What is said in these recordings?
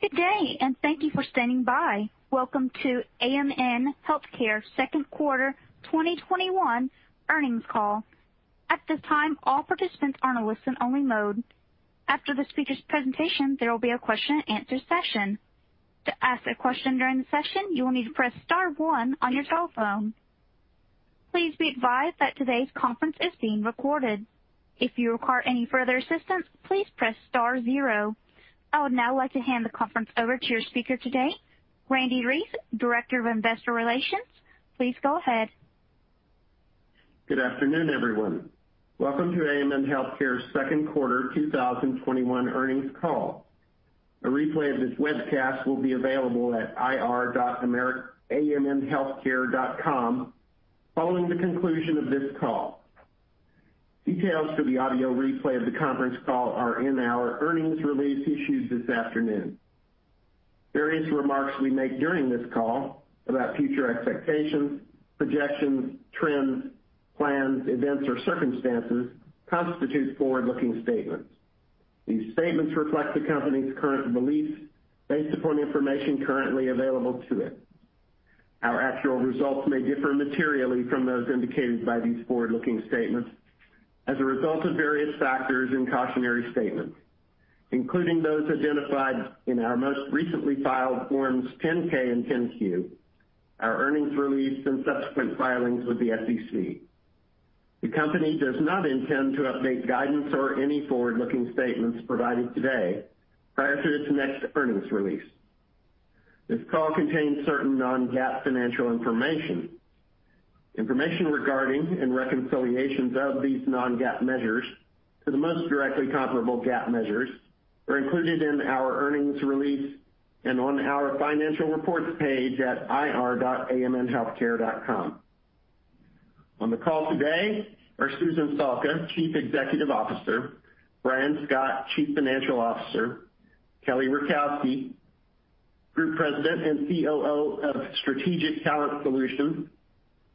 Good day, and thank you for standing by. Welcome to AMN Healthcare second quarter 2021 earnings call. At this time, all participants are in a listen-only mode. After the speakers' presentation, there will be a question-and-answer session. To ask a question during the session, you will need to press star one on your telephone. Please be advised that today's conference is being recorded. If you require any further assistance, please press star zero. I would now like to hand the conference over to your speaker today, Randle Reece, Director of Investor Relations. Please go ahead. Good afternoon, everyone. Welcome to AMN Healthcare second quarter 2021 earnings call. A replay of this webcast will be available at ir.amnhealthcare.com following the conclusion of this call. Details for the audio replay of the conference call are in our earnings release issued this afternoon. Various remarks we make during this call about future expectations, projections, trends, plans, events, or circumstances constitute forward-looking statements. These statements reflect the company's current beliefs based upon information currently available to it. Our actual results may differ materially from those indicated by these forward-looking statements as a result of various factors and cautionary statements, including those identified in our most recently filed Forms 10-K and 10-Q, our earnings release, and subsequent filings with the SEC. The company does not intend to update guidance or any forward-looking statements provided today prior to its next earnings release. This call contains certain non-GAAP financial information. Information regarding and reconciliations of these non-GAAP measures to the most directly comparable GAAP measures are included in our earnings release and on our financial reports page at ir.amnhealthcare.com. On the call today are Susan Salka, Chief Executive Officer, Brian Scott, Chief Financial Officer, Kelly Rakowski, Group President and COO of Strategic Talent Solutions,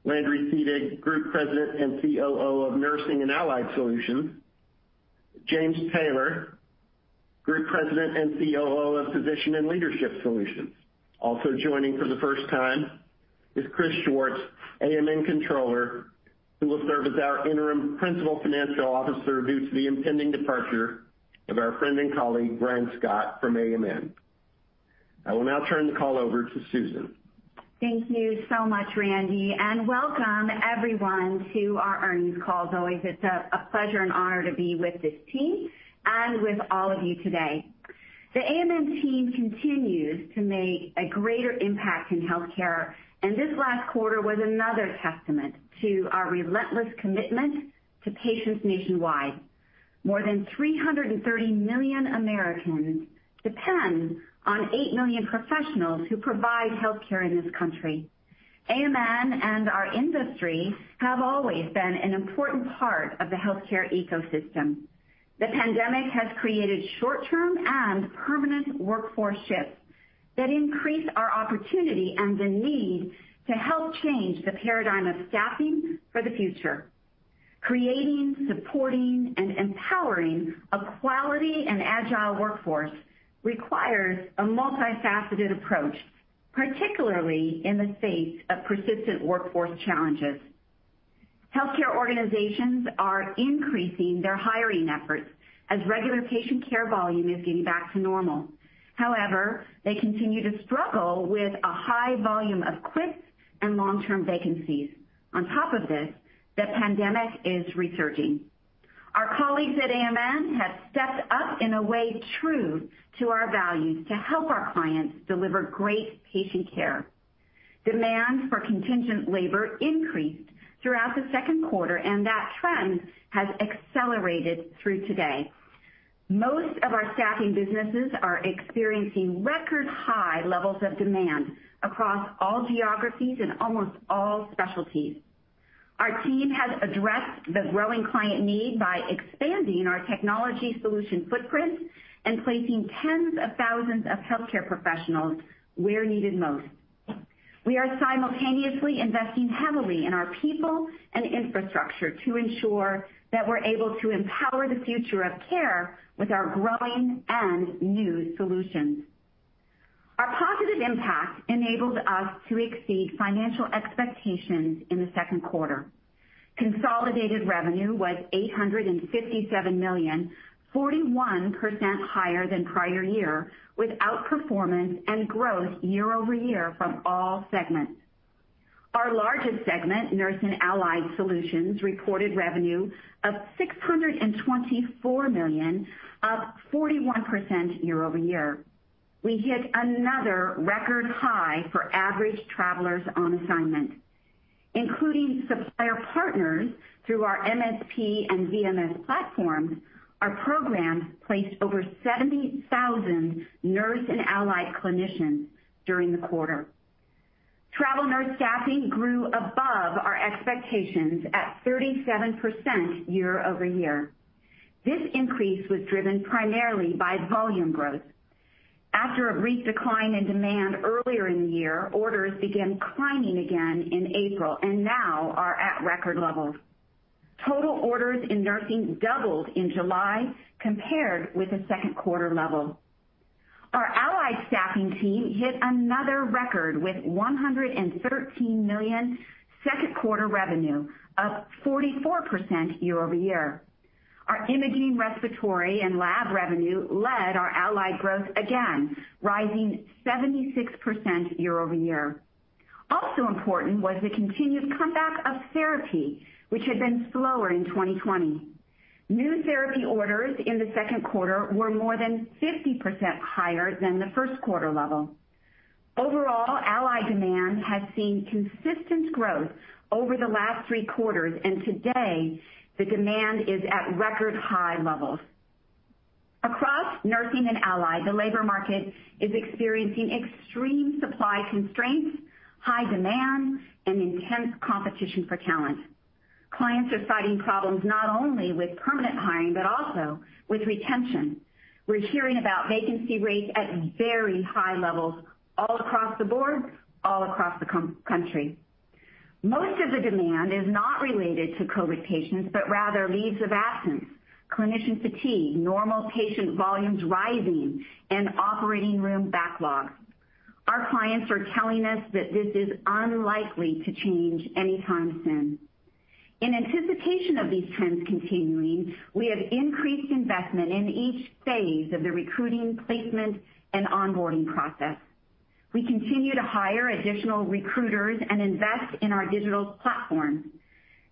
Landry Seedig, Group President and COO of Nursing and Allied Solutions, James Taylor, Group President and COO of Physician and Leadership Solutions. Also joining for the first time is Chris Schwartz, AMN Controller, who will serve as our interim Principal Financial Officer due to the impending departure of our friend and colleague, Brian Scott, from AMN. I will now turn the call over to Susan. Thank you so much, Randle, and welcome, everyone, to our earnings call. As always, it's a pleasure and honor to be with this team and with all of you today. The AMN team continues to make a greater impact in healthcare, and this last quarter was another testament to our relentless commitment to patients nationwide. More than 330 million Americans depend on 8 million professionals who provide healthcare in this country. AMN and our industry have always been an important part of the healthcare ecosystem. The pandemic has created short-term and permanent workforce shifts that increase our opportunity and the need to help change the paradigm of staffing for the future. Creating, supporting, and empowering a quality and agile workforce requires a multifaceted approach, particularly in the face of persistent workforce challenges. Healthcare organizations are increasing their hiring efforts as regular patient care volume is getting back to normal. However, they continue to struggle with a high volume of quits and long-term vacancies. On top of this, the pandemic is resurging. Our colleagues at AMN have stepped up in a way true to our values to help our clients deliver great patient care. Demand for contingent labor increased throughout the second quarter, and that trend has accelerated through today. Most of our staffing businesses are experiencing record high levels of demand across all geographies and almost all specialties. Our team has addressed the growing client need by expanding our technology solution footprint and placing tens of thousands of healthcare professionals where needed most. We are simultaneously investing heavily in our people and infrastructure to ensure that we're able to empower the future of care with our growing and new solutions. Our positive impact enabled us to exceed financial expectations in the second quarter. Consolidated revenue was $857 million, 41% higher than prior year, with outperformance and growth year-over-year from all segments. Our largest segment, Nurse and Allied Solutions, reported revenue of $624 million, up 41% year-over-year. We hit another record high for average travelers on assignment. Including supplier partners through our MSP and VMS platforms, our programs placed over 70,000 nurse and allied clinicians during the quarter. Travel nurse staffing grew above our expectations at 37% year-over-year. This increase was driven primarily by volume growth. After a brief decline in demand earlier in the year, orders began climbing again in April and now are at record levels. Total orders in nursing doubled in July compared with the second quarter level. Our Allied staffing team hit another record with $113 million second quarter revenue, up 44% year-over-year. Our imaging, respiratory, and lab revenue led our Allied growth again, rising 76% year-over-year. Also important was the continued comeback of therapy, which had been slower in 2020. New therapy orders in the second quarter were more than 50% higher than the first quarter level. Overall, Allied demand has seen consistent growth over the last three quarters, and today, the demand is at record high levels. Across Nursing and Allied, the labor market is experiencing extreme supply constraints, high demand, and intense competition for talent. Clients are citing problems not only with permanent hiring, but also with retention. We're hearing about vacancy rates at very high levels all across the board, all across the country. Most of the demand is not related to COVID patients, but rather leaves of absence, clinician fatigue, normal patient volumes rising, and operating room backlogs. Our clients are telling us that this is unlikely to change anytime soon. In anticipation of these trends continuing, we have increased investment in each phase of the recruiting, placement, and onboarding process. We continue to hire additional recruiters and invest in our digital platforms.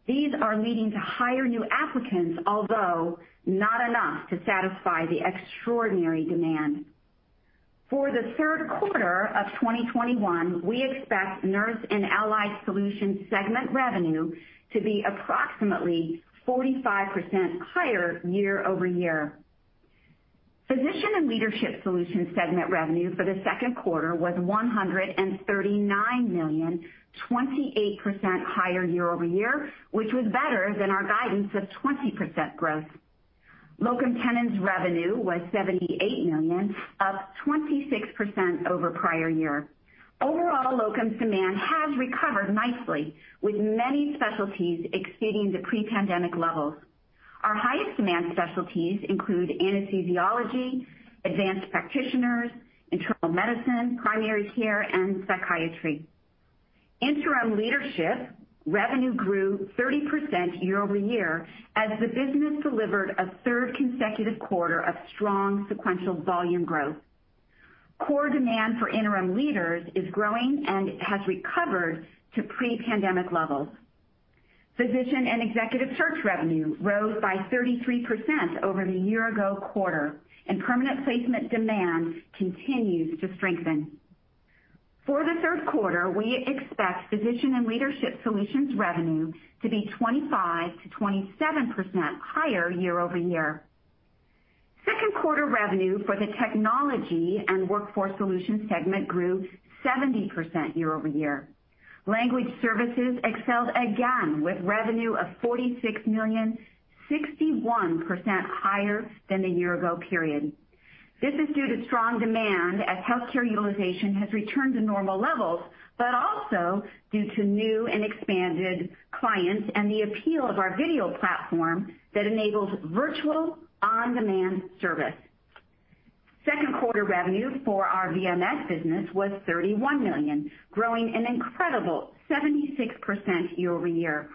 These are leading to higher new applicants, although not enough to satisfy the extraordinary demand. For the third quarter of 2021, we expect Nurse and Allied Solutions segment revenue to be approximately 45% higher year-over-year. Physician and Leadership Solutions segment revenue for the second quarter was $139 million, 28% higher year-over-year, which was better than our guidance of 20% growth. Locum tenens revenue was $78 million, up 26% over prior year. Overall, locum demand has recovered nicely, with many specialties exceeding the pre-pandemic levels. Our highest demand specialties include anesthesiology, advanced practitioners, internal medicine, primary care, and psychiatry. Interim Leadership revenue grew 30% year-over-year as the business delivered a third consecutive quarter of strong sequential volume growth. Core demand for interim leaders is growing and has recovered to pre-pandemic levels. Physician and executive search revenue rose by 33% over the year-ago quarter, and permanent placement demand continues to strengthen. For the third quarter, we expect Physician and Leadership Solutions revenue to be 25%-27% higher year-over-year. Second quarter revenue for the Technology and Workforce Solutions segment grew 70% year-over-year. Language services excelled again, with revenue of $46 million, 61% higher than the year-ago period. This is due to strong demand as healthcare utilization has returned to normal levels, but also due to new and expanded clients and the appeal of our video platform that enables virtual on-demand service. Second quarter revenue for our VMS business was $31 million, growing an incredible 76% year-over-year.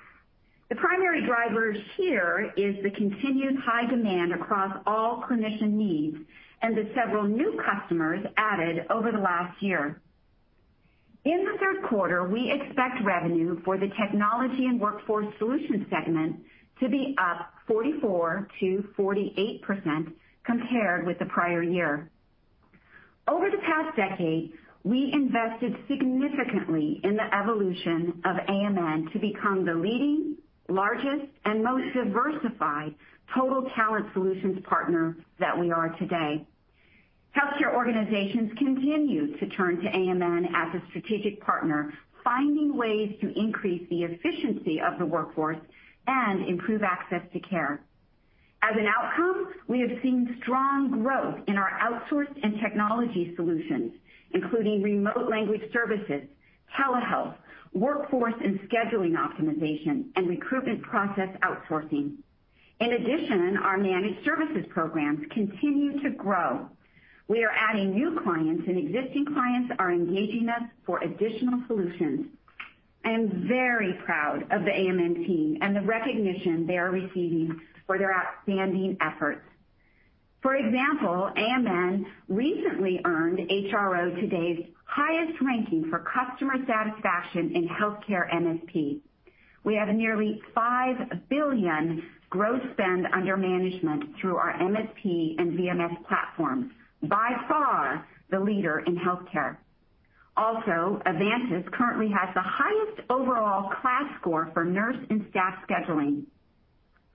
The primary drivers here are the continued high demand across all clinician needs and the several new customers added over the last year. In the third quarter, we expect revenue for the Technology and Workforce Solutions segment to be up 44%-48% compared with the prior year. Over the past decade, we invested significantly in the evolution of AMN to become the leading, largest, and most diversified total talent solutions partner that we are today. Healthcare organizations continue to turn to AMN as a strategic partner, finding ways to increase the efficiency of the workforce and improve access to care. As an outcome, we have seen strong growth in our outsourced and technology solutions, including remote language services, telehealth, workforce and scheduling optimization, and Recruitment Process Outsourcing. In addition, our managed services programs continue to grow. We are adding new clients, and existing clients are engaging us for additional solutions. I am very proud of the AMN team and the recognition they are receiving for their outstanding efforts. For example, AMN recently earned HRO Today's highest ranking for customer satisfaction in healthcare MSP. We have nearly $5 billion gross spend under management through our MSP and VMS platforms, by far the leader in healthcare. Avantas currently has the highest overall KLAS score for nurse and staff scheduling.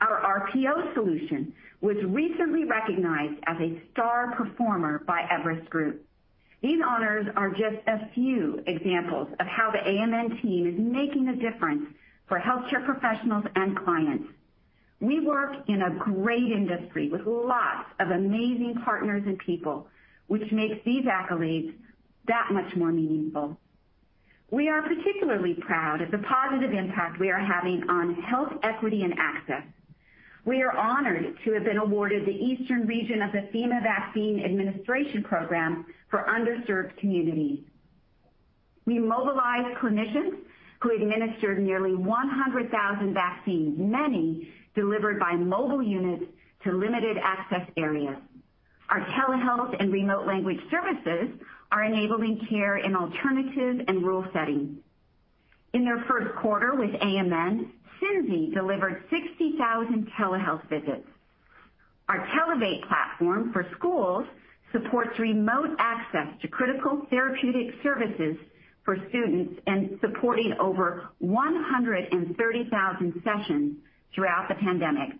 Our RPO solution was recently recognized as a star performer by Everest Group. These honors are just a few examples of how the AMN team is making a difference for healthcare professionals and clients. We work in a great industry with lots of amazing partners and people, which makes these accolades that much more meaningful. We are particularly proud of the positive impact we are having on health, equity, and access. We are honored to have been awarded the Eastern region of the FEMA Vaccine Administration program for underserved communities. We mobilized clinicians who administered nearly 100,000 vaccines, many delivered by mobile units to limited access areas. Our telehealth and remote language services are enabling care in alternative and rural settings. In their first quarter with AMN, Synzi delivered 60,000 telehealth visits. Our Televate platform for schools supports remote access to critical therapeutic services for students and supporting over 130,000 sessions throughout the pandemic.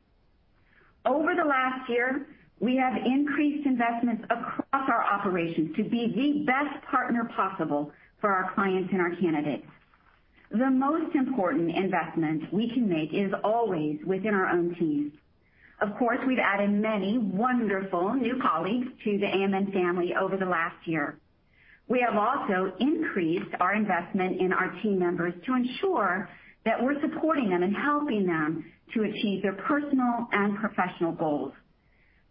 Over the last year, we have increased investments across our operations to be the best partner possible for our clients and our candidates. The most important investment we can make is always within our own teams. Of course, we've added many wonderful new colleagues to the AMN family over the last year. We have also increased our investment in our team members to ensure that we're supporting them and helping them to achieve their personal and professional goals.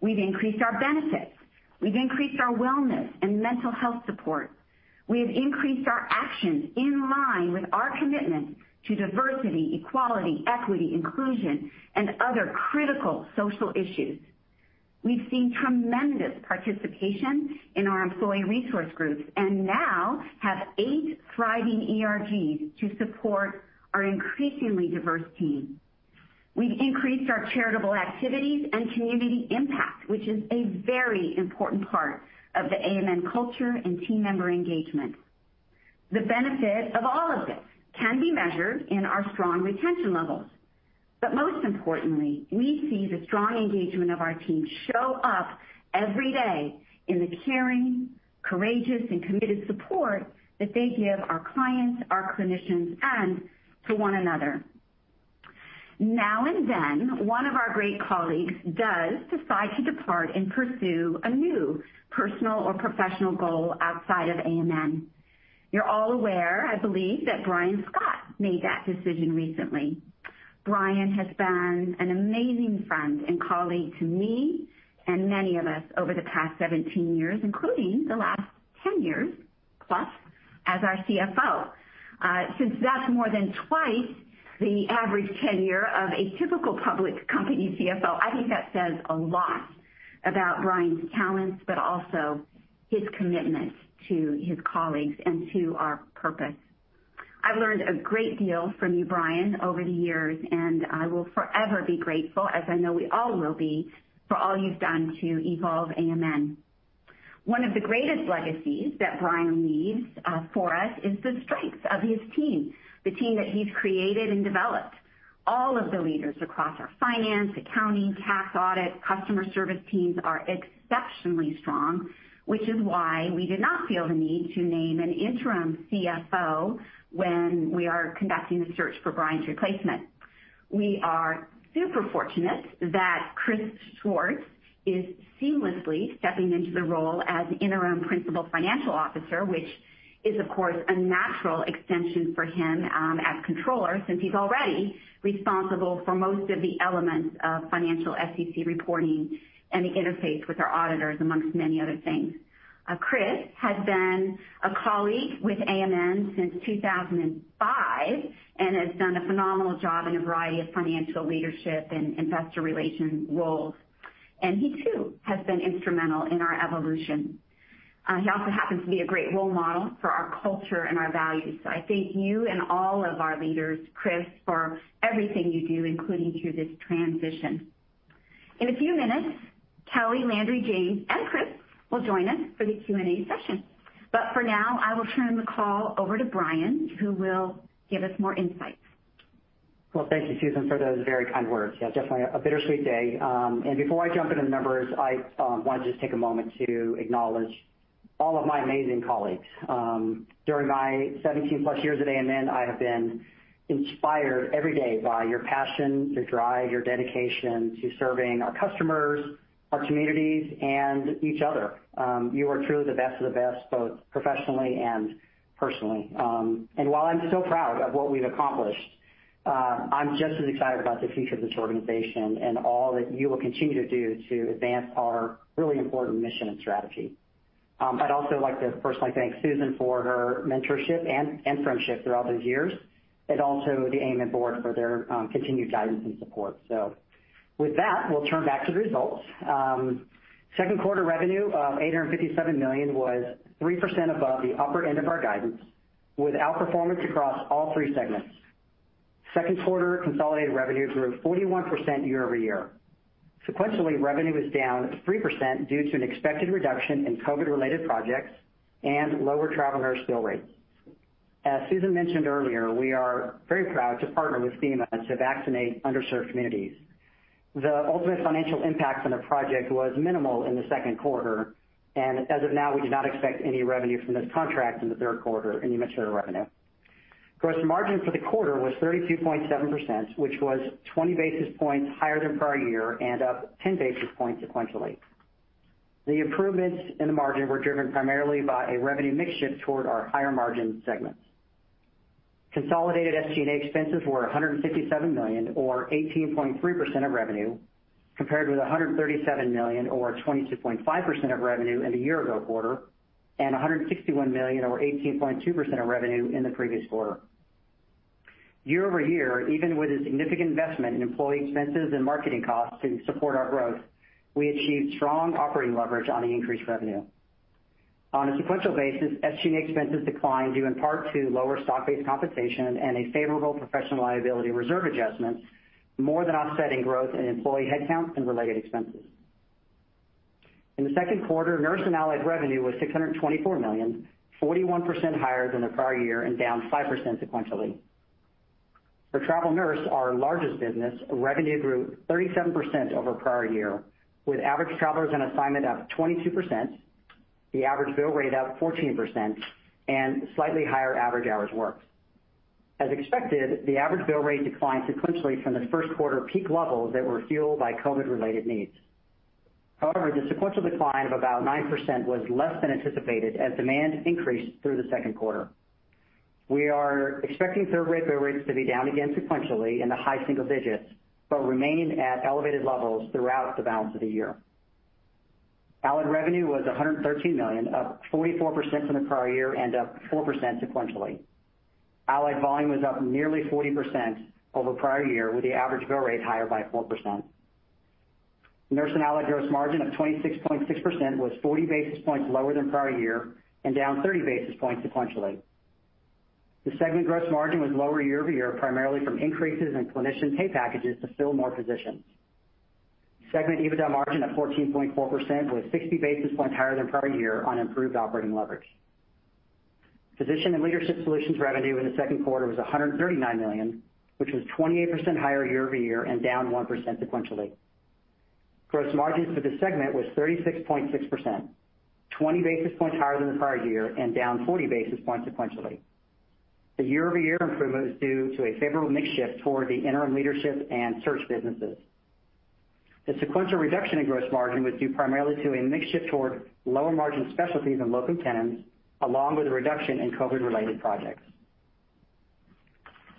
We've increased our benefits. We've increased our wellness and mental health support. We have increased our actions in line with our commitment to diversity, equality, equity, inclusion, and other critical social issues. We've seen tremendous participation in our employee resource groups and now have eight thriving ERGs to support our increasingly diverse team. We've increased our charitable activities and community impact, which is a very important part of the AMN culture and team member engagement. The benefit of all of this can be measured in our strong retention levels. Most importantly, we see the strong engagement of our team show up every day in the caring, courageous, and committed support that they give our clients, our clinicians, and to one another. Now and then, one of our great colleagues does decide to depart and pursue a new personal or professional goal outside of AMN. You're all aware, I believe, that Brian Scott made that decision recently. Brian has been an amazing friend and colleague to me and many of us over the past 17 years, including the last 10+ years as our CFO. Since that's more than twice the average tenure of a typical public company CFO, I think that says a lot about Brian's talents, but also his commitment to his colleagues and to our purpose. I've learned a great deal from you, Brian, over the years, and I will forever be grateful, as I know we all will be, for all you've done to evolve AMN Healthcare. One of the greatest legacies that Brian leaves for us is the strength of his team, the team that he's created and developed. All of the leaders across our finance, accounting, tax audit, customer service teams are exceptionally strong, which is why we did not feel the need to name an interim CFO when we are conducting the search for Brian's replacement. We are super fortunate that Chris Schwartz is seamlessly stepping into the role as Interim Principal Financial Officer, which is, of course, a natural extension for him, as Controller, since he's already responsible for most of the elements of financial SEC reporting and the interface with our auditors, amongst many other things. Chris has been a colleague with AMN since 2005 and has done a phenomenal job in a variety of financial leadership and investor relations roles, and he too has been instrumental in our evolution. He also happens to be a great role model for our culture and our values. I thank you and all of our leaders, Chris, for everything you do, including through this transition. In a few minutes, Kelly, Landry, James, and Chris will join us for the Q&A session. For now, I will turn the call over to Brian, who will give us more insights. Well, thank you, Susan, for those very kind words. Yeah, definitely a bittersweet day. Before I jump into the numbers, I want to just take a moment to acknowledge all of my amazing colleagues. During my 17+ years at AMN, I have been inspired every day by your passion, your drive, your dedication to serving our customers, our communities, and each other. You are truly the best of the best, both professionally and personally. While I'm so proud of what we've accomplished, I'm just as excited about the future of this organization and all that you will continue to do to advance our really important mission and strategy. I'd also like to personally thank Susan for her mentorship and friendship throughout those years, and also the AMN board for their continued guidance and support. With that, we'll turn back to the results. Second quarter revenue of $857 million was 3% above the upper end of our guidance with outperformance across all three segments. Second quarter consolidated revenue grew 41% year-over-year. Sequentially, revenue was down 3% due to an expected reduction in COVID-related projects and lower travel nurse bill rates. As Susan mentioned earlier, we are very proud to partner with FEMA to vaccinate underserved communities. The ultimate financial impact from the project was minimal in the second quarter, and as of now, we do not expect any revenue from this contract in the third quarter in the material revenue. Gross margin for the quarter was 32.7%, which was 20 basis points higher than prior year and up 10 basis points sequentially. The improvements in the margin were driven primarily by a revenue mix shift toward our higher-margin segments. Consolidated SG&A expenses were $157 million, or 18.3% of revenue, compared with $137 million, or 22.5% of revenue in the year-ago quarter, and $161 million, or 18.2% of revenue in the previous quarter. Year-over-year, even with a significant investment in employee expenses and marketing costs to support our growth, we achieved strong operating leverage on the increased revenue. On a sequential basis, SG&A expenses declined due in part to lower stock-based compensation and a favorable professional liability reserve adjustment, more than offsetting growth in employee headcount and related expenses. In the second quarter, Nurse and Allied revenue was $624 million, 41% higher than the prior year and down 5% sequentially. For Travel Nurse, our largest business, revenue grew 37% over prior year with average travelers on assignment up 22%, the average bill rate up 14%, and slightly higher average hours worked. As expected, the average bill rate declined sequentially from the first quarter peak levels that were fueled by COVID-related needs. However, the sequential decline of about 9% was less than anticipated as demand increased through the second quarter. We are expecting third quarter bill rates to be down again sequentially in the high single digits, but remain at elevated levels throughout the balance of the year. Allied revenue was $113 million, up 44% from the prior year and up 4% sequentially. Allied volume was up nearly 40% over prior year, with the average bill rate higher by 4%. Nurse and Allied gross margin of 26.6% was 40 basis points lower than prior year and down 30 basis points sequentially. The segment gross margin was lower year-over-year, primarily from increases in clinician pay packages to fill more positions. Segment EBITDA margin of 14.4% was 60 basis points higher than prior year on improved operating leverage. Physician and Leadership Solutions revenue in the second quarter was $139 million, which was 28% higher year-over-year and down 1% sequentially. Gross margins for the segment was 36.6%, 20 basis points higher than the prior year and down 40 basis points sequentially. The year-over-year improvement is due to a favorable mix shift toward the interim leadership and search businesses. The sequential reduction in gross margin was due primarily to a mix shift toward lower-margin specialties and locum tenens, along with a reduction in COVID-related projects.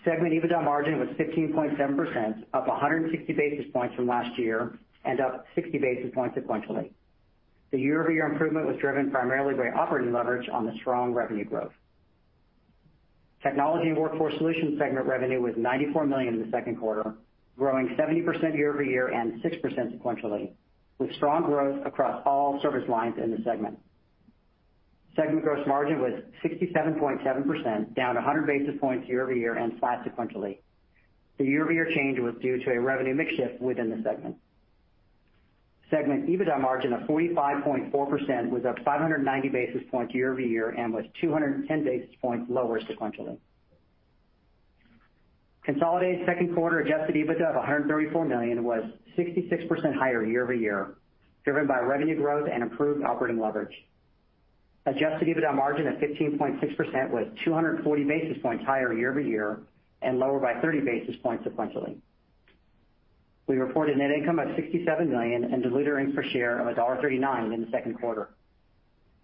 Segment EBITDA margin was 15.7%, up 160 basis points from last year and up 60 basis points sequentially. The year-over-year improvement was driven primarily by operating leverage on the strong revenue growth. Technology and Workforce Solutions segment revenue was $94 million in the second quarter, growing 70% year-over-year and 6% sequentially, with strong growth across all service lines in the segment. Segment gross margin was 67.7%, down 100 basis points year-over-year and flat sequentially. The year-over-year change was due to a revenue mix shift within the segment. Segment EBITDA margin of 45.4% was up 590 basis points year-over-year and was 210 basis points lower sequentially. Consolidated second quarter adjusted EBITDA of $134 million was 66% higher year-over-year, driven by revenue growth and improved operating leverage. Adjusted EBITDA margin of 15.6% was 240 basis points higher year-over-year and lower by 30 basis points sequentially. We reported net income of $67 million and diluted earnings per share of $1.39 in the second quarter.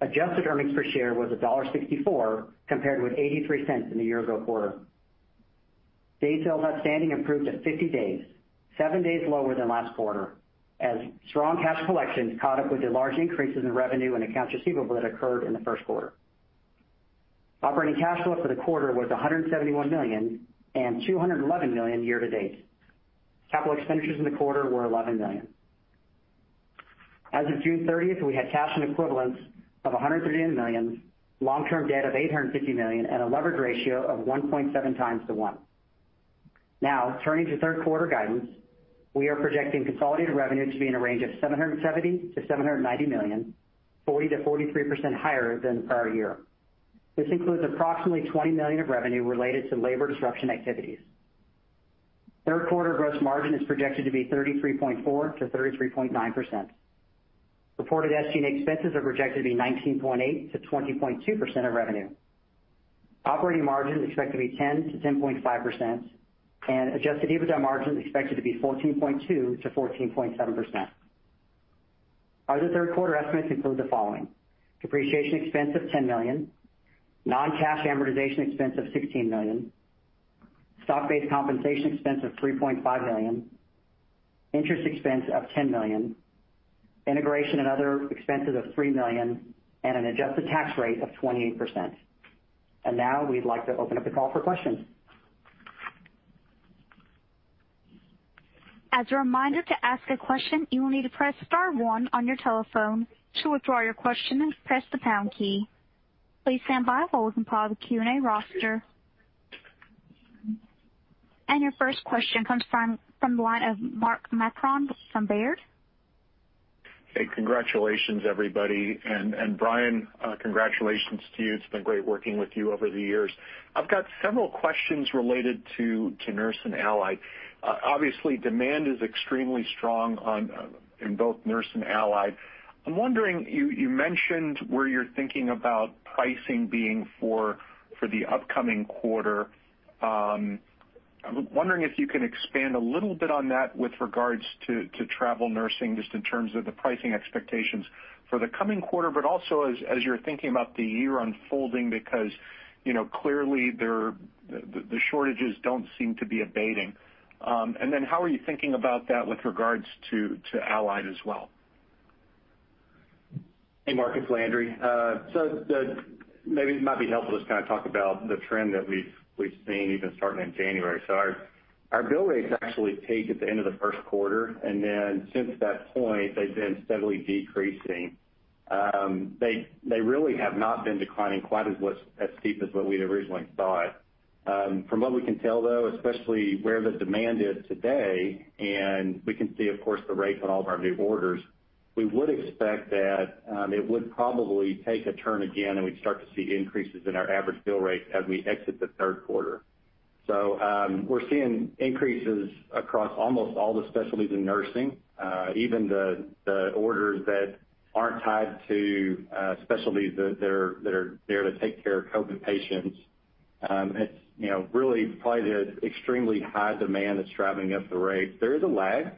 Adjusted earnings per share was $1.64, compared with $0.83 in the year-ago quarter. Days sales outstanding improved to 50 days, seven days lower than last quarter, as strong cash collections caught up with the large increases in revenue and accounts receivable that occurred in the first quarter. Operating cash flow for the quarter was $171 million and $211 million year-to-date. Capital expenditures in the quarter were $11 million. As of June 30th, we had cash and equivalents of $139 million, long-term debt of $850 million, and a leverage ratio of 1.7x:1x. Turning to third quarter guidance, we are projecting consolidated revenue to be in a range of $770 million-$790 million, 40%-43% higher than the prior year. This includes approximately $20 million of revenue related to labor disruption activities. Third quarter gross margin is projected to be 33.4%-33.9%. Reported SG&A expenses are projected to be 19.8%-20.2% of revenue. Operating margin is expected to be 10%-10.5%. Adjusted EBITDA margin is expected to be 14.2%-14.7%. Our third quarter estimates include the following: depreciation expense of $10 million, non-cash amortization expense of $16 million, stock-based compensation expense of $3.5 million, interest expense of $10 million, integration and other expenses of $3 million, and an adjusted tax rate of 28%. Now we'd like to open up the call for questions. As a reminder, to ask a question, you will need to press star one on your telephone. To withdraw your question, press the pound key. Please stand by while we compile the Q&A roster. Your first question comes from the line of Mark Marcon from Baird. Hey, congratulations everybody. Brian, congratulations to you. It's been great working with you over the years. I've got several questions related to Nurse and Allied. Obviously, demand is extremely strong in both Nurse and Allied. I'm wondering, you mentioned where you're thinking about pricing being for the upcoming quarter. I'm wondering if you can expand a little bit on that with regards to travel nursing, just in terms of the pricing expectations for the coming quarter, but also as you're thinking about the year unfolding, because clearly, the shortages don't seem to be abating. How are you thinking about that with regards to Allied as well? Hey, Mark, it's Landry. Maybe it might be helpful to kind of talk about the trend that we've seen even starting in January. Our bill rates actually peaked at the end of the first quarter. Since that point, they've been steadily decreasing. They really have not been declining quite as steep as what we had originally thought. From what we can tell, though, especially where the demand is today, and we can see, of course, the rates on all of our new orders, we would expect that it would probably take a turn again, and we'd start to see increases in our average bill rate as we exit the third quarter. We're seeing increases across almost all the specialties in nursing, even the orders that aren't tied to specialties that are there to take care of COVID patients. It's really probably the extremely high demand that's driving up the rates. There is a lag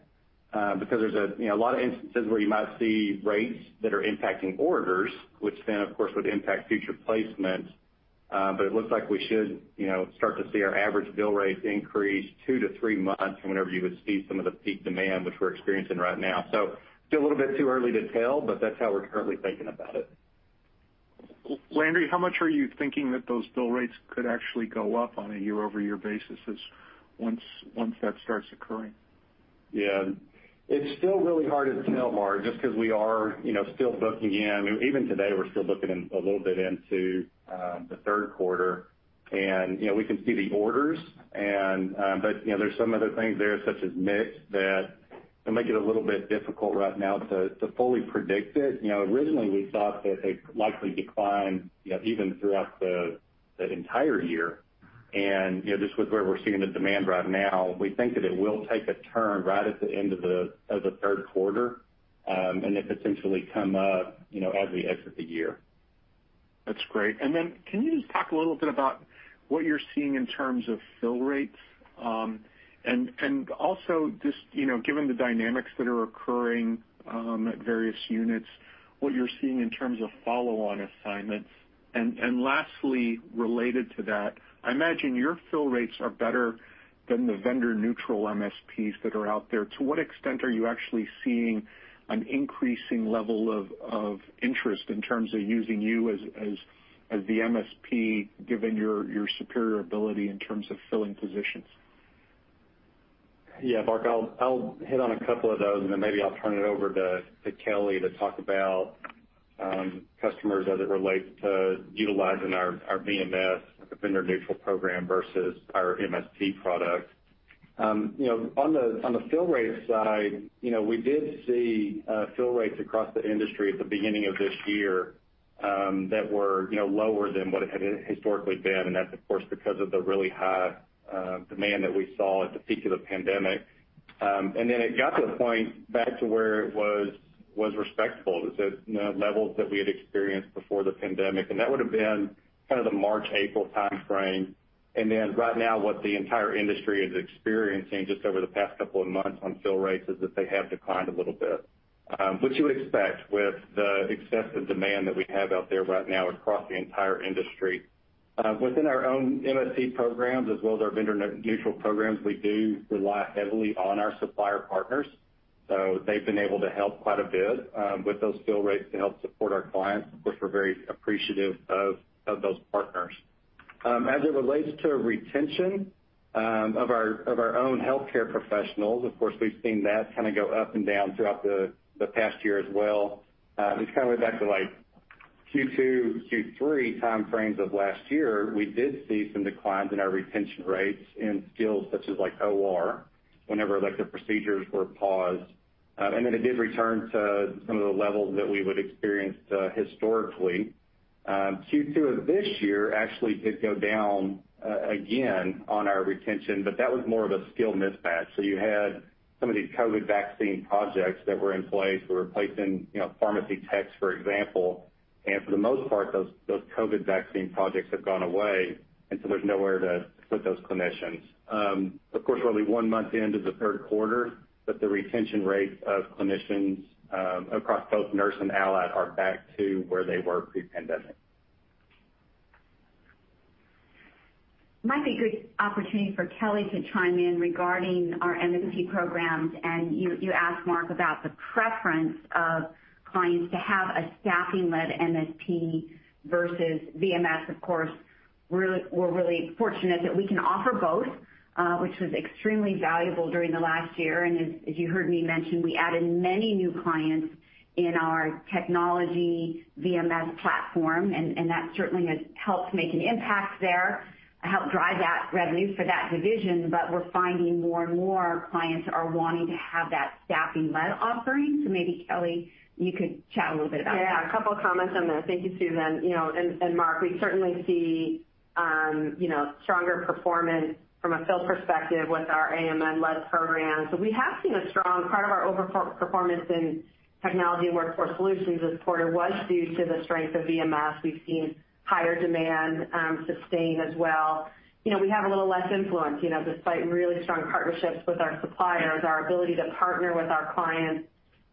because there's a lot of instances where you might see rates that are impacting orders, which then, of course, would impact future placements. It looks like we should start to see our average bill rates increase two to three months from whenever you would see some of the peak demand, which we're experiencing right now. Still a little bit too early to tell, but that's how we're currently thinking about it. Landry, how much are you thinking that those bill rates could actually go up on a year-over-year basis once that starts occurring? Yeah. It's still really hard to tell, Mark, just because we are still booking in. Even today, we're still booking a little bit into the third quarter. We can see the orders, but there's some other things there, such as mix, that make it a little bit difficult right now to fully predict it. Originally, we thought that they'd likely decline even throughout the entire year. Just with where we're seeing the demand right now, we think that it will take a turn right at the end of the third quarter, and then potentially come up as we exit the year. That's great. Then can you just talk a little bit about what you're seeing in terms of fill rates? Also just given the dynamics that are occurring at various units, what you're seeing in terms of follow-on assignments. Lastly, related to that, I imagine your fill rates are better than the vendor-neutral MSPs that are out there. To what extent are you actually seeing an increasing level of interest in terms of using you as the MSP, given your superior ability in terms of filling positions? Yeah, Mark, I'll hit on a couple of those, and then maybe I'll turn it over to Kelly to talk about customers as it relates to utilizing our VMS, our vendor neutral program versus our MSP product. On the fill rate side, we did see fill rates across the industry at the beginning of this year that were lower than what it had historically been, and that's, of course, because of the really high demand that we saw at the peak of the pandemic. It got to a point back to where it was respectable, to levels that we had experienced before the pandemic, and that would've been kind of the March, April timeframe. Right now, what the entire industry is experiencing just over the past couple of months on fill rates is that they have declined a little bit, which you would expect with the excessive demand that we have out there right now across the entire industry. Within our own MSP programs as well as our vendor neutral programs, we do rely heavily on our supplier partners. They've been able to help quite a bit with those fill rates to help support our clients, which we're very appreciative of those partners. As it relates to retention of our own healthcare professionals, of course, we've seen that kind of go up and down throughout the past year as well. At least kind of way back to Q2, Q3 timeframes of last year, we did see some declines in our retention rates in skills such as OR whenever the procedures were paused. It did return to some of the levels that we would experience historically. Q2 of this year actually did go down again on our retention, but that was more of a skill mismatch. You had some of these COVID vaccine projects that were in place. We were placing pharmacy techs, for example. For the most part, those COVID vaccine projects have gone away. There's nowhere to put those clinicians. Of course, we're only one month into the third quarter, but the retention rates of clinicians across both Nurse and Allied are back to where they were pre-pandemic. Might be a good opportunity for Kelly to chime in regarding our MSP programs. You asked Mark about the preference of clients to have a staffing-led MSP versus VMS. Of course, we're really fortunate that we can offer both, which was extremely valuable during the last year. As you heard me mention, we added many new clients in our technology VMS platform. That certainly has helped make an impact there, helped drive that revenue for that division. We're finding more and more clients are wanting to have that staffing-led offering. Maybe, Kelly, you could chat a little bit about that. Yeah, a couple of comments on there. Thank you, Susan and Mark. We certainly see stronger performance from a fill perspective with our AMN-led program. We have seen a strong part of our over performance in Technology and Workforce Solutions this quarter was due to the strength of VMS. We've seen higher demand sustain as well. We have a little less influence despite really strong partnerships with our suppliers, our ability to partner with our clients.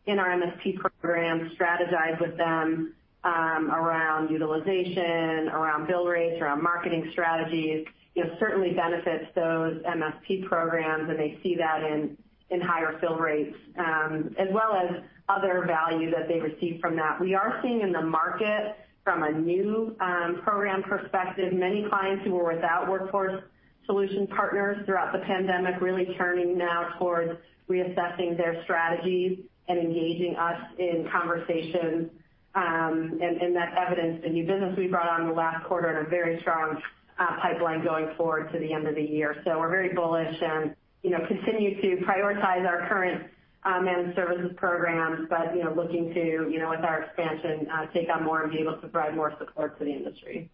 In our MSP program, strategize with them around utilization, around bill rates, around marketing strategies. It certainly benefits those MSP programs, and they see that in higher bill rates as well as other value that they receive from that. We are seeing in the market, from a new program perspective, many clients who were without workforce solution partners throughout the pandemic, really turning now towards reassessing their strategies and engaging us in conversation. That's evidenced in new business we brought on in the last quarter and a very strong pipeline going forward to the end of the year. We're very bullish and continue to prioritize our current managed services programs, but looking to, with our expansion, take on more and be able to provide more support to the industry.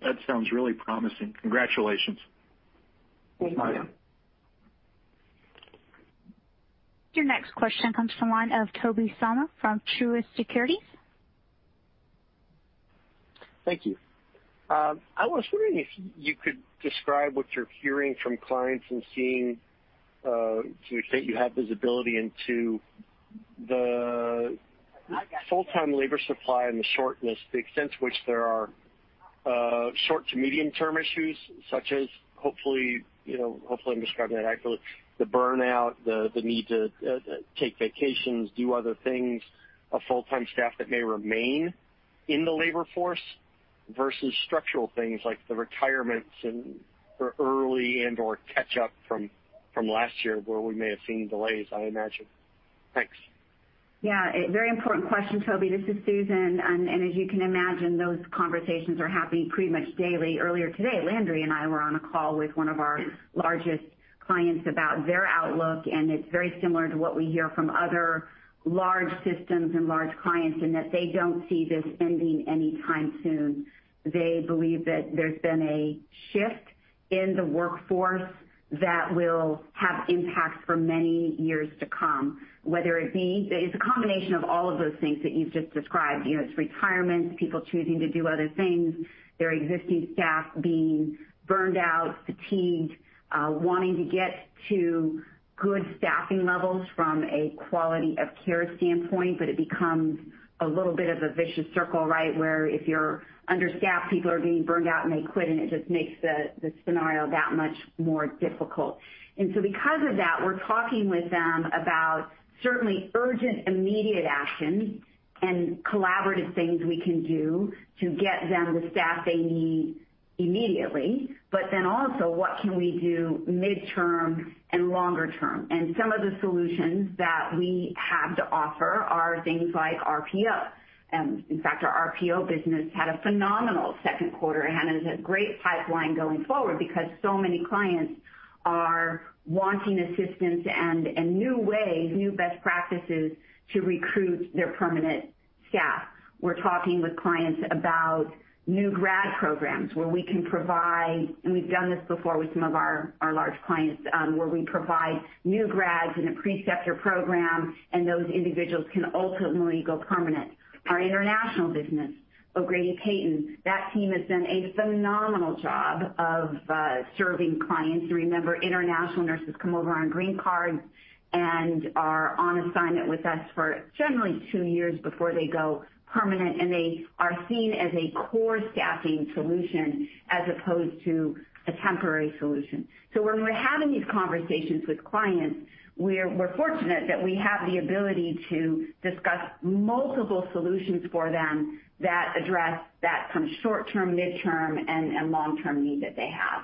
That sounds really promising. Congratulations. Thank you. Thank you. Your next question comes from the line of Tobey Sommer from Truist Securities. Thank you. I was wondering if you could describe what you're hearing from clients and seeing, to the extent you have visibility into the full-time labor supply and the shortness, the extent to which there are short to medium term issues, such as, hopefully I'm describing that accurately, the burnout, the need to take vacations, do other things. A full-time staff that may remain in the labor force versus structural things like the retirements and early and/or catch-up from last year where we may have seen delays, I imagine. Thanks. Yeah. A very important question, Tobey Sommer. This is Susan. As you can imagine, those conversations are happening pretty much daily. Earlier today, Landry Seedig and I were on a call with one of our largest clients about their outlook, and it's very similar to what we hear from other large systems and large clients in that they don't see this ending anytime soon. They believe that there's been a shift in the workforce that will have impact for many years to come. It's a combination of all of those things that you've just described. It's retirements, people choosing to do other things, their existing staff being burned out, fatigued, wanting to get to good staffing levels from a quality of care standpoint. It becomes a little bit of a vicious circle, right? Where if you're understaffed, people are getting burned out and they quit, it just makes the scenario that much more difficult. Because of that, we're talking with them about certainly urgent, immediate action, and collaborative things we can do to get them the staff they need immediately. Also, what can we do midterm and longer term? Some of the solutions that we have to offer are things like RPO. In fact, our RPO business had a phenomenal second quarter and has a great pipeline going forward because so many clients are wanting assistance and new ways, new best practices to recruit their permanent staff. We're talking with clients about new grad programs where we can provide, and we've done this before with some of our large clients where we provide new grads in a preceptor program, and those individuals can ultimately go permanent. Our international business, O'Grady Peyton, that team has done a phenomenal job of serving clients. Remember, international nurses come over on green cards and are on assignment with us for generally two years before they go permanent, and they are seen as a core staffing solution as opposed to a temporary solution. When we're having these conversations with clients, we're fortunate that we have the ability to discuss multiple solutions for them that address that from short-term, midterm, and long-term need that they have.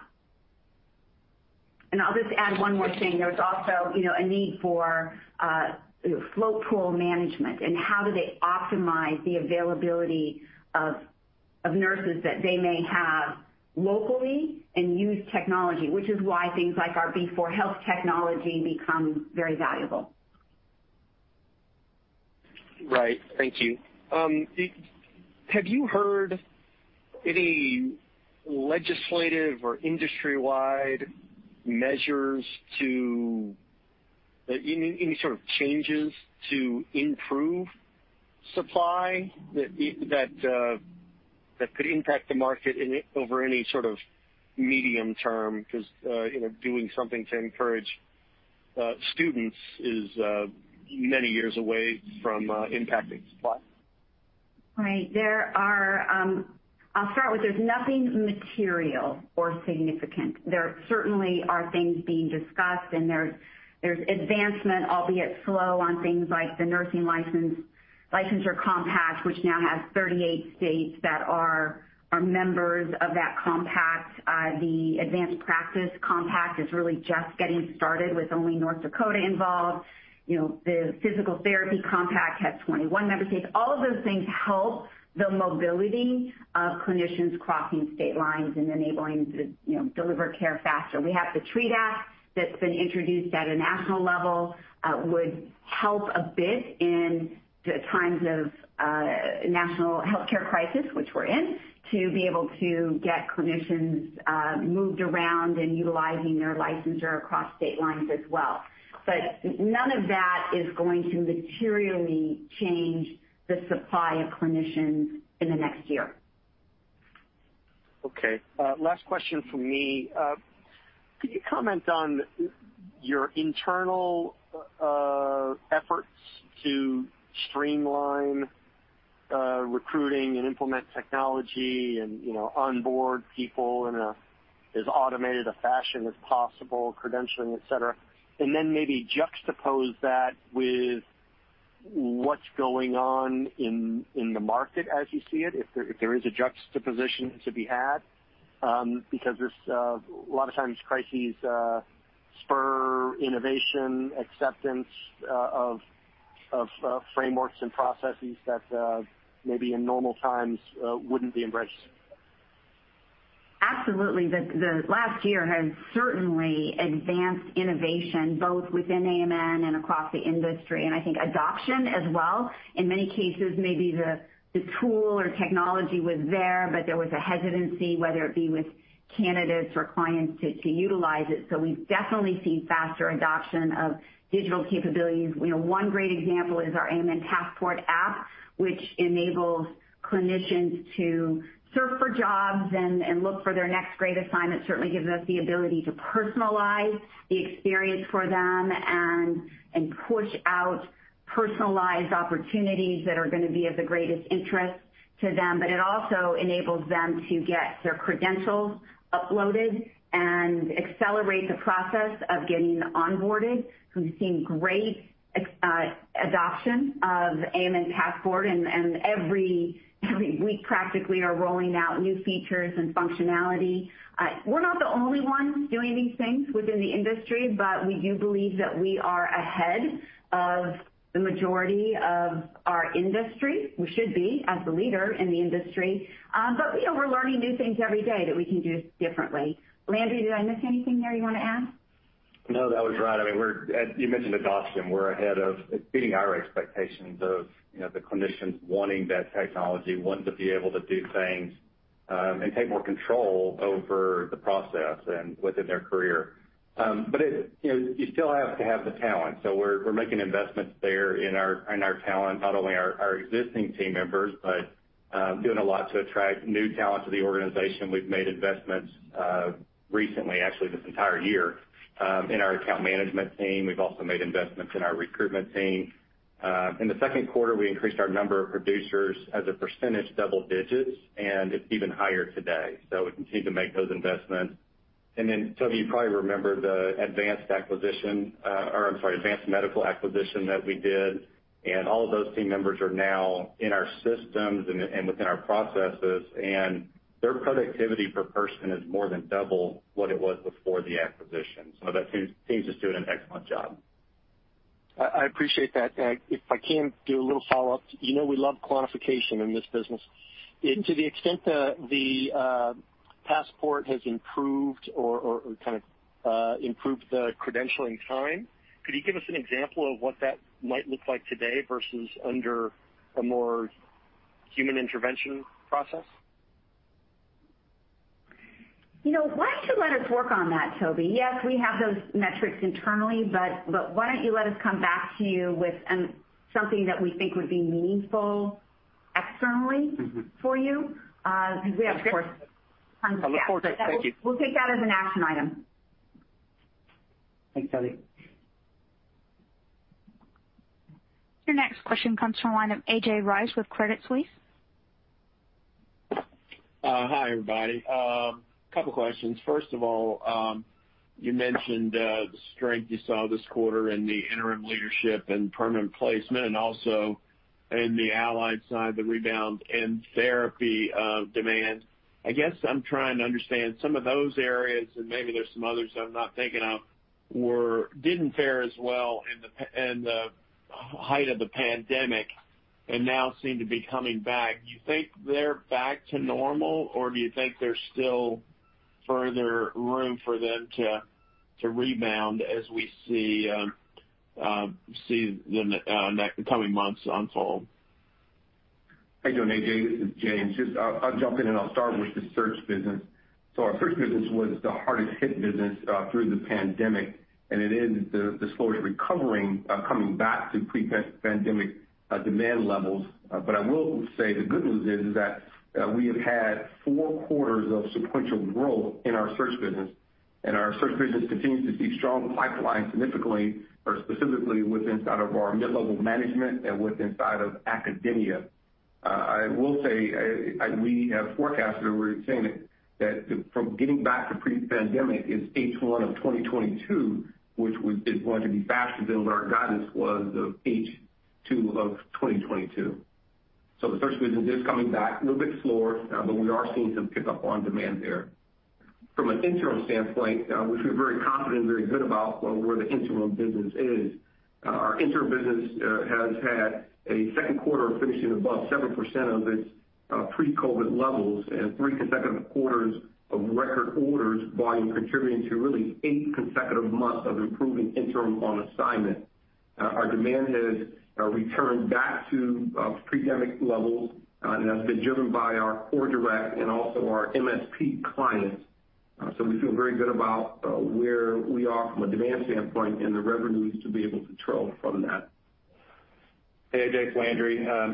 I'll just add one more thing. There's also a need for float pool management and how do they optimize the availability of nurses that they may have locally and use technology, which is why things like our B4Health technology become very valuable. Right. Thank you. Have you heard any legislative or industry-wide measures, any sort of changes to improve supply that could impact the market over any sort of medium term? Doing something to encourage students is many years away from impacting supply. Right. I'll start with there's nothing material or significant. There certainly are things being discussed. There's advancement, albeit slow, on things like the Nurse Licensure Compact, which now has 38 states that are members of that compact. The Advanced Practice Compact is really just getting started with only North Dakota involved. The Physical Therapy Compact has 21 member states. All of those things help the mobility of clinicians crossing state lines and enabling to deliver care faster. We have the TREAT Act that's been introduced at a national level would help a bit in times of national healthcare crisis, which we're in, to be able to get clinicians moved around and utilizing their licensure across state lines as well. None of that is going to materially change the supply of clinicians in the next year. Okay. Last question from me. Could you comment on your internal efforts to streamline recruiting and implement technology and onboard people in as automated a fashion as possible, credentialing, etc? Maybe juxtapose that with what's going on in the market as you see it, if there is a juxtaposition to be had, because there's a lot of times crises spur innovation, acceptance of frameworks and processes that maybe in normal times wouldn't be embraced. Absolutely. The last year has certainly advanced innovation, both within AMN and across the industry, and I think adoption as well. In many cases, maybe the tool or technology was there, but there was a hesitancy, whether it be with candidates or clients to utilize it. We've definitely seen faster adoption of digital capabilities. One great example is our AMN Passport app, which enables clinicians to search for jobs and look for their next great assignment. Certainly gives us the ability to personalize the experience for them and push out personalized opportunities that are going to be of the greatest interest to them. It also enables them to get their credentials uploaded and accelerate the process of getting onboarded. We've seen great adoption of AMN Passport, and every week practically are rolling out new features and functionality. We're not the only ones doing these things within the industry, but we do believe that we are ahead of the majority of our industry. We should be, as the leader in the industry. We're learning new things every day that we can do differently. Landry, did I miss anything there you want to add? No, that was right. You mentioned adoption. It's beating our expectations of the clinicians wanting that technology, wanting to be able to do things, and take more control over the process and within their career. You still have to have the talent. We're making investments there in our talent, not only our existing team members, but doing a lot to attract new talent to the organization. We've made investments recently, actually this entire year, in our account management team. We've also made investments in our recruitment team. In the second quarter, we increased our number of producers as a percentage double digits, and it's even higher today. We continue to make those investments. Tobey, you probably remember the Advanced Medical acquisition that we did. All of those team members are now in our systems and within our processes. Their productivity per person is more than double what it was before the acquisition. That team is doing an excellent job. I appreciate that. If I can do a little follow-up. You know we love quantification in this business. To the extent the Passport has improved or kind of improved the credentialing time, could you give us an example of what that might look like today versus under a more human intervention process? Why don't you let us work on that, Tobey? Yes, we have those metrics internally, but why don't you let us come back to you with something that we think would be meaningful externally for you? We have tons of data. I look forward to it. Thank you. We'll take that as an action item. Thanks, Tobey. Your next question comes from the line of A.J. Rice with Credit Suisse. Hi, everybody. A couple questions. First of all, you mentioned the strength you saw this quarter in the interim leadership and permanent placement and also in the allied side, the rebound in therapy demand. I guess I'm trying to understand some of those areas, and maybe there's some others I'm not thinking of, didn't fare as well in the height of the pandemic and now seem to be coming back. Do you think they're back to normal, or do you think there's still further room for them to rebound as we see the coming months unfold? Thank you, A.J. This is James. I'll jump in. I'll start with the search business. Our search business was the hardest hit business through the pandemic, and it is the slowest recovering, coming back to pre-pandemic demand levels. I will say the good news is that we have had four quarters of sequential growth in our search business, and our search business continues to see strong pipeline significantly or specifically with inside of our mid-level management and with inside of academia. I will say, we have forecasted, we're saying that from getting back to pre-pandemic is H1 of 2022, which is going to be faster than our guidance was of H2 of 2022. The search business is coming back a little bit slower, but we are seeing some pickup on demand there. From an interim standpoint, which we're very confident and very good about where the interim business is. Our interim business has had a second quarter of finishing above 7% of its pre-COVID levels and three consecutive quarters of record orders volume contributing to really eight consecutive months of improving interim on assignment. Our demand has returned back to pre-pandemic levels, that's been driven by our core direct and also our MSP clients. We feel very good about where we are from a demand standpoint and the revenues to be able to throw from that. Hey, A.J., Landry. Well,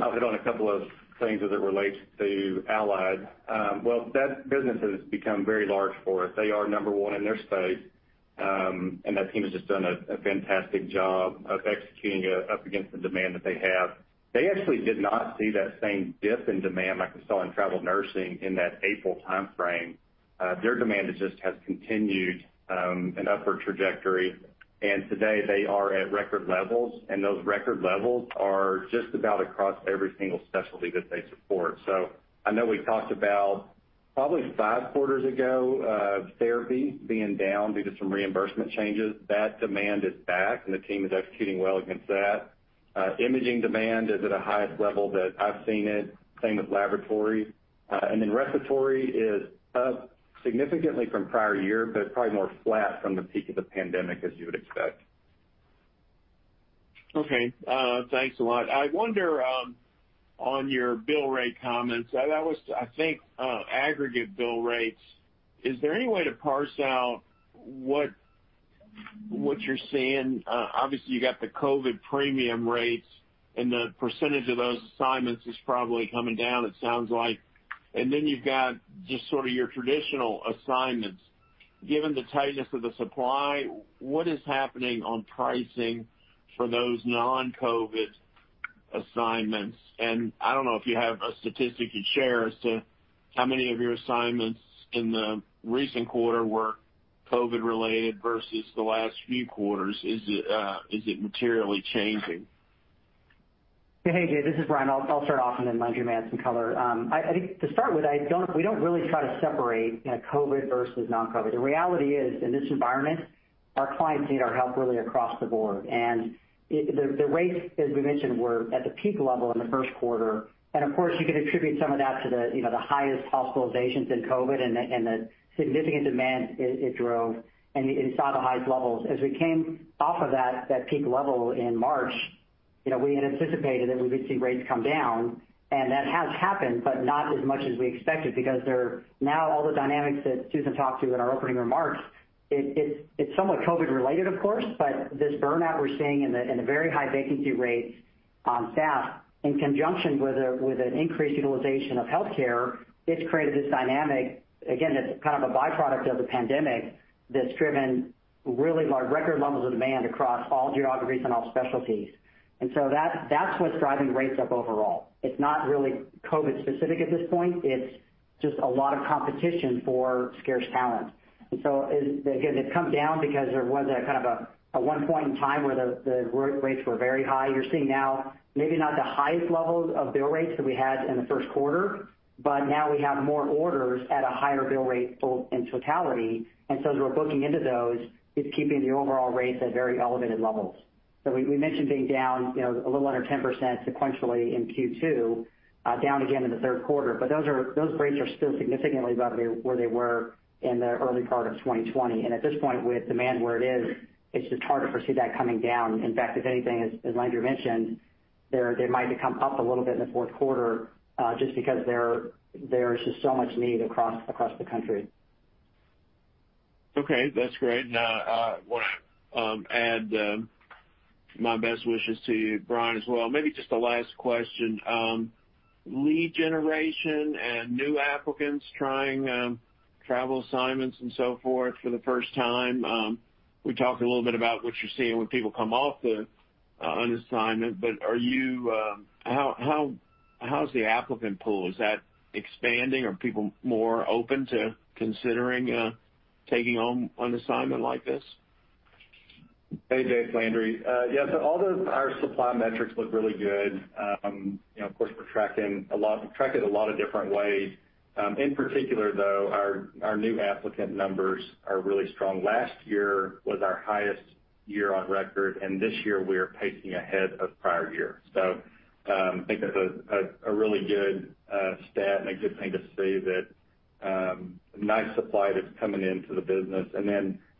that business has become very large for us. They are number one in their space, and that team has just done a fantastic job of executing up against the demand that they have. They actually did not see that same dip in demand like we saw in travel nursing in that April timeframe. Their demand just has continued an upward trajectory, and today they are at record levels, and those record levels are just about across every single specialty that they support. I know we talked about probably five quarters ago, therapy being down due to some reimbursement changes. That demand is back, and the team is executing well against that. Imaging demand is at a highest level that I've seen it, same with laboratory. Respiratory is up significantly from prior year, but probably more flat from the peak of the pandemic, as you would expect. Okay, thanks a lot. I wonder, on your bill rate comments, that was, I think, aggregate bill rates. Is there any way to parse out what you're seeing? Obviously, you got the COVID premium rates, and the percentage of those assignments is probably coming down, it sounds like. You've got just sort of your traditional assignments. Given the tightness of the supply, what is happening on pricing for those non-COVID assignments? I don't know if you have a statistic you'd share as to how many of your assignments in the recent quarter were COVID-related versus the last few quarters. Is it materially changing? Hey, A.J., this is Brian. I'll start off and then Landry may have some color. I think to start with, we don't really try to separate COVID versus non-COVID. The reality is, in this environment, our clients need our help really across the board. The rates, as we mentioned, were at the peak level in the first quarter. Of course, you could attribute some of that to the highest hospitalizations in COVID and the significant demand it drove, and you saw the highest levels. As we came off of that peak level in March, we had anticipated that we would see rates come down, and that has happened, but not as much as we expected because they're now all the dynamics that Susan talked to in our opening remarks. It's somewhat COVID-related, of course, but this burnout we're seeing and the very high vacancy rates on staff in conjunction with an increased utilization of healthcare, it's created this dynamic, again, that's kind of a byproduct of the pandemic that's driven really large record levels of demand across all geographies and all specialties. That's what's driving rates up overall. It's not really COVID-specific at this point. It's just a lot of competition for scarce talent. Again, they've come down because there was a kind of a one point in time where the rates were very high. You're seeing now maybe not the highest levels of bill rates that we had in the first quarter, but now we have more orders at a higher bill rate both in totality. As we're booking into those, it's keeping the overall rates at very elevated levels. We mentioned being down a little under 10% sequentially in Q2, down again in the third quarter. Those rates are still significantly above where they were in the early part of 2020. At this point, with demand where it is, it's just hard to foresee that coming down. In fact, if anything, as Landry mentioned, they might come up a little bit in the fourth quarter, just because there is just so much need across the country. Okay, that's great. I want to add my best wishes to you, Brian, as well. Maybe just a last question. Lead generation and new applicants trying travel assignments and so forth for the first time, we talked a little bit about what you're seeing when people come off the an assignment, how's the applicant pool? Is that expanding? Are people more open to considering taking on an assignment like this? Hey, A.J. Landry. Yeah, all those higher supply metrics look really good. Of course, we track it a lot of different ways. In particular, though, our new applicant numbers are really strong. Last year was our highest year on record, and this year we are pacing ahead of prior year. I think that's a really good stat and a good thing to see that nice supply that's coming into the business.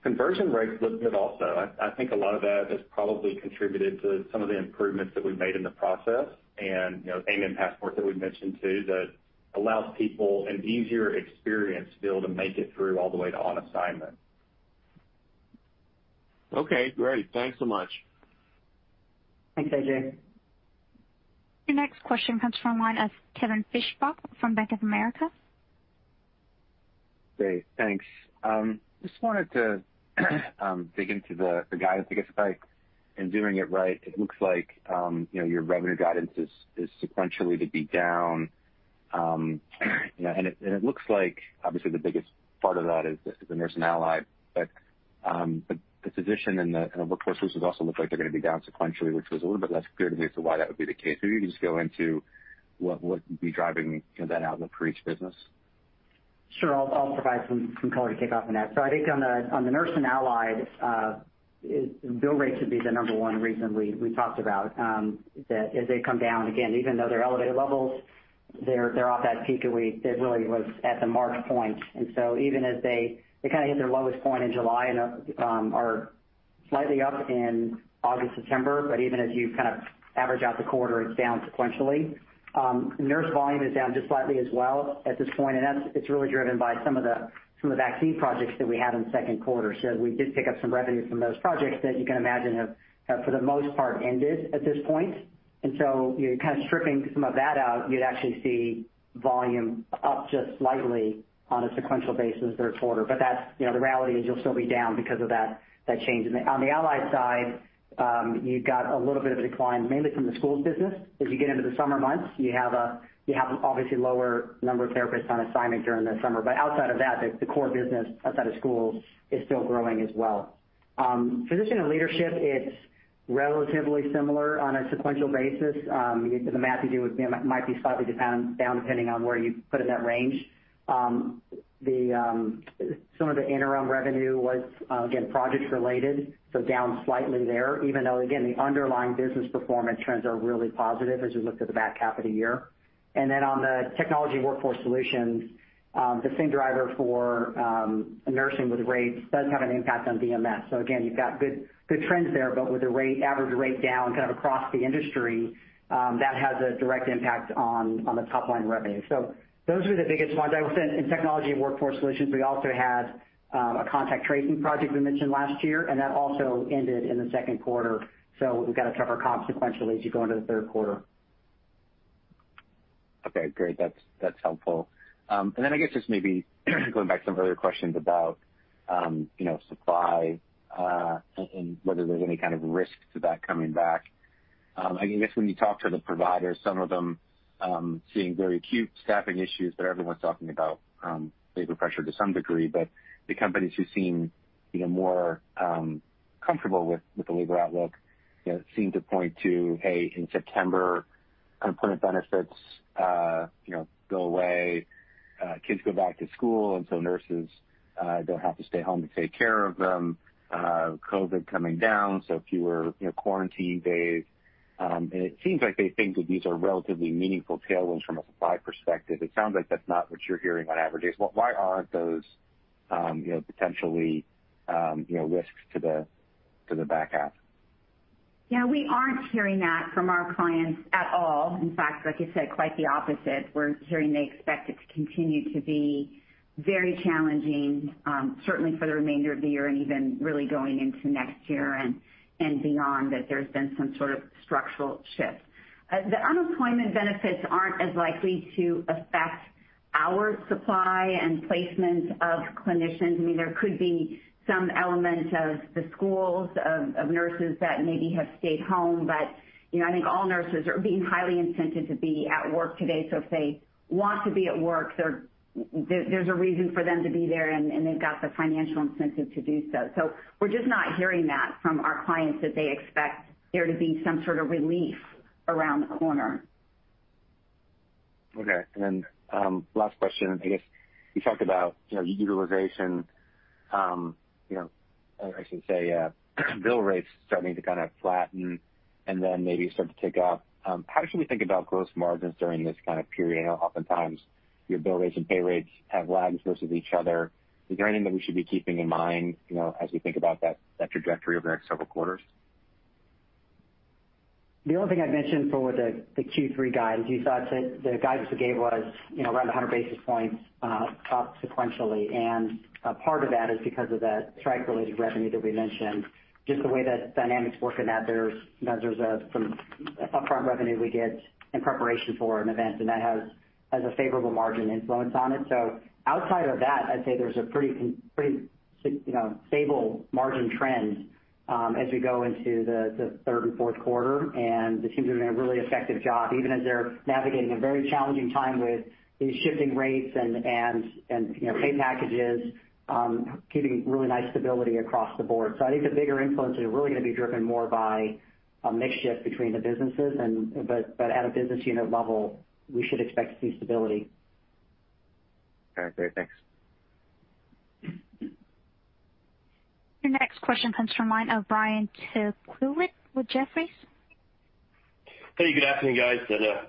Conversion rates look good also. I think a lot of that has probably contributed to some of the improvements that we've made in the process and AMN Passport that we mentioned, too, that allows people an easier experience still to make it through all the way to on assignment. Okay, great. Thanks so much. Thanks, A.J. Rice. Your next question comes from the line of Kevin Fischbeck from Bank of America. Hey, thanks. Just wanted to dig into the guidance, I guess, like in doing it right, it looks like your revenue guidance is sequentially to be down. It looks like obviously the biggest part of that is the Nurse and Allied. The Physician and the Workforce Resources also look like they're going to be down sequentially, which was a little bit less clear to me as to why that would be the case. Maybe you can just go into what would be driving that outlook for each business. Sure. I'll provide some color to kick off on that. I think on the Nurse and Allied, bill rates would be the number one reason we talked about that as they come down again, even though they're elevated levels, they're off that peak of week that really was at the March point. Even as they kind of hit their lowest point in July and are slightly up in August, September, but even as you average out the quarter, it's down sequentially. Nurse volume is down just slightly as well at this point, and it's really driven by some of the vaccine projects that we had in the second quarter. We did pick up some revenue from those projects that you can imagine have, for the most part, ended at this point. You're kind of stripping some of that out. You'd actually see volume up just slightly on a sequential basis third quarter. The reality is you'll still be down because of that change. On the Allied side, you've got a little bit of decline, mainly from the schools business. As you get into the summer months, you have an obviously lower number of therapists on assignment during the summer. Outside of that, the core business outside of schools is still growing as well. Physician and Leadership, it's relatively similar on a sequential basis. The math you do with them might be slightly down, depending on where you put in that range. Some of the interim revenue was, again, project-related, so down slightly there, even though, again, the underlying business performance trends are really positive as we look to the back half of the year. Then on the Technology and Workforce Solutions, the same driver for nursing with rates does have an impact on VMS. Again, you've got good trends there, but with the average rate down kind of across the industry, that has a direct impact on the top-line revenue. Those are the biggest ones. I will say in Technology and Workforce Solutions, we also had a contact tracing project we mentioned last year, and that also ended in the second quarter. We've got a tougher consequential as you go into the third quarter. Okay, great. That's helpful. I guess just maybe going back to some earlier questions about supply and whether there's any kind of risk to that coming back. I guess when you talk to the providers, some of them seeing very acute staffing issues, but everyone's talking about labor pressure to some degree. The companies who seem more comfortable with the labor outlook seem to point to, hey, in September, unemployment benefits go away. Kids go back to school, nurses don't have to stay home to take care of them. COVID coming down, fewer quarantine days. It seems like they think that these are relatively meaningful tailwinds from a supply perspective. It sounds like that's not what you're hearing on average. Why aren't those potentially risks to the back half? Yeah, we aren't hearing that from our clients at all. In fact, like you said, quite the opposite. We're hearing they expect it to continue to be very challenging, certainly for the remainder of the year and even really going into next year and beyond, that there's been some sort of structural shift. The unemployment benefits aren't as likely to affect our supply and placement of clinicians. There could be some element of the schools of nurses that maybe have stayed home, I think all nurses are being highly incented to be at work today. If they want to be at work, there's a reason for them to be there, and they've got the financial incentive to do so. We're just not hearing that from our clients, that they expect there to be some sort of relief around the corner. Okay, last question, I guess you talked about utilization. I should say bill rates starting to kind of flatten and then maybe start to tick up. How should we think about gross margins during this kind of period? I know oftentimes your bill rates and pay rates have lagged versus each other. Is there anything that we should be keeping in mind as we think about that trajectory over the next several quarters? The only thing I'd mention for the Q3 guidance, you saw the guidance we gave was around 100 basis points up sequentially. Part of that is because of the strike-related revenue that we mentioned. Just the way the dynamics work in that, there's some upfront revenue we get in preparation for an event, and that has a favorable margin influence on it. Outside of that, I'd say there's a pretty stable margin trend as we go into the third and fourth quarter, and the teams are doing a really effective job, even as they're navigating a very challenging time with these shifting rates and pay packages, keeping really nice stability across the board. I think the bigger influences are really going to be driven more by a mix shift between the businesses, but at a business unit level, we should expect to see stability. All right. Great. Thanks. Your next question comes from the line of Brian Tanquilut with Jefferies. Hey, good afternoon, guys.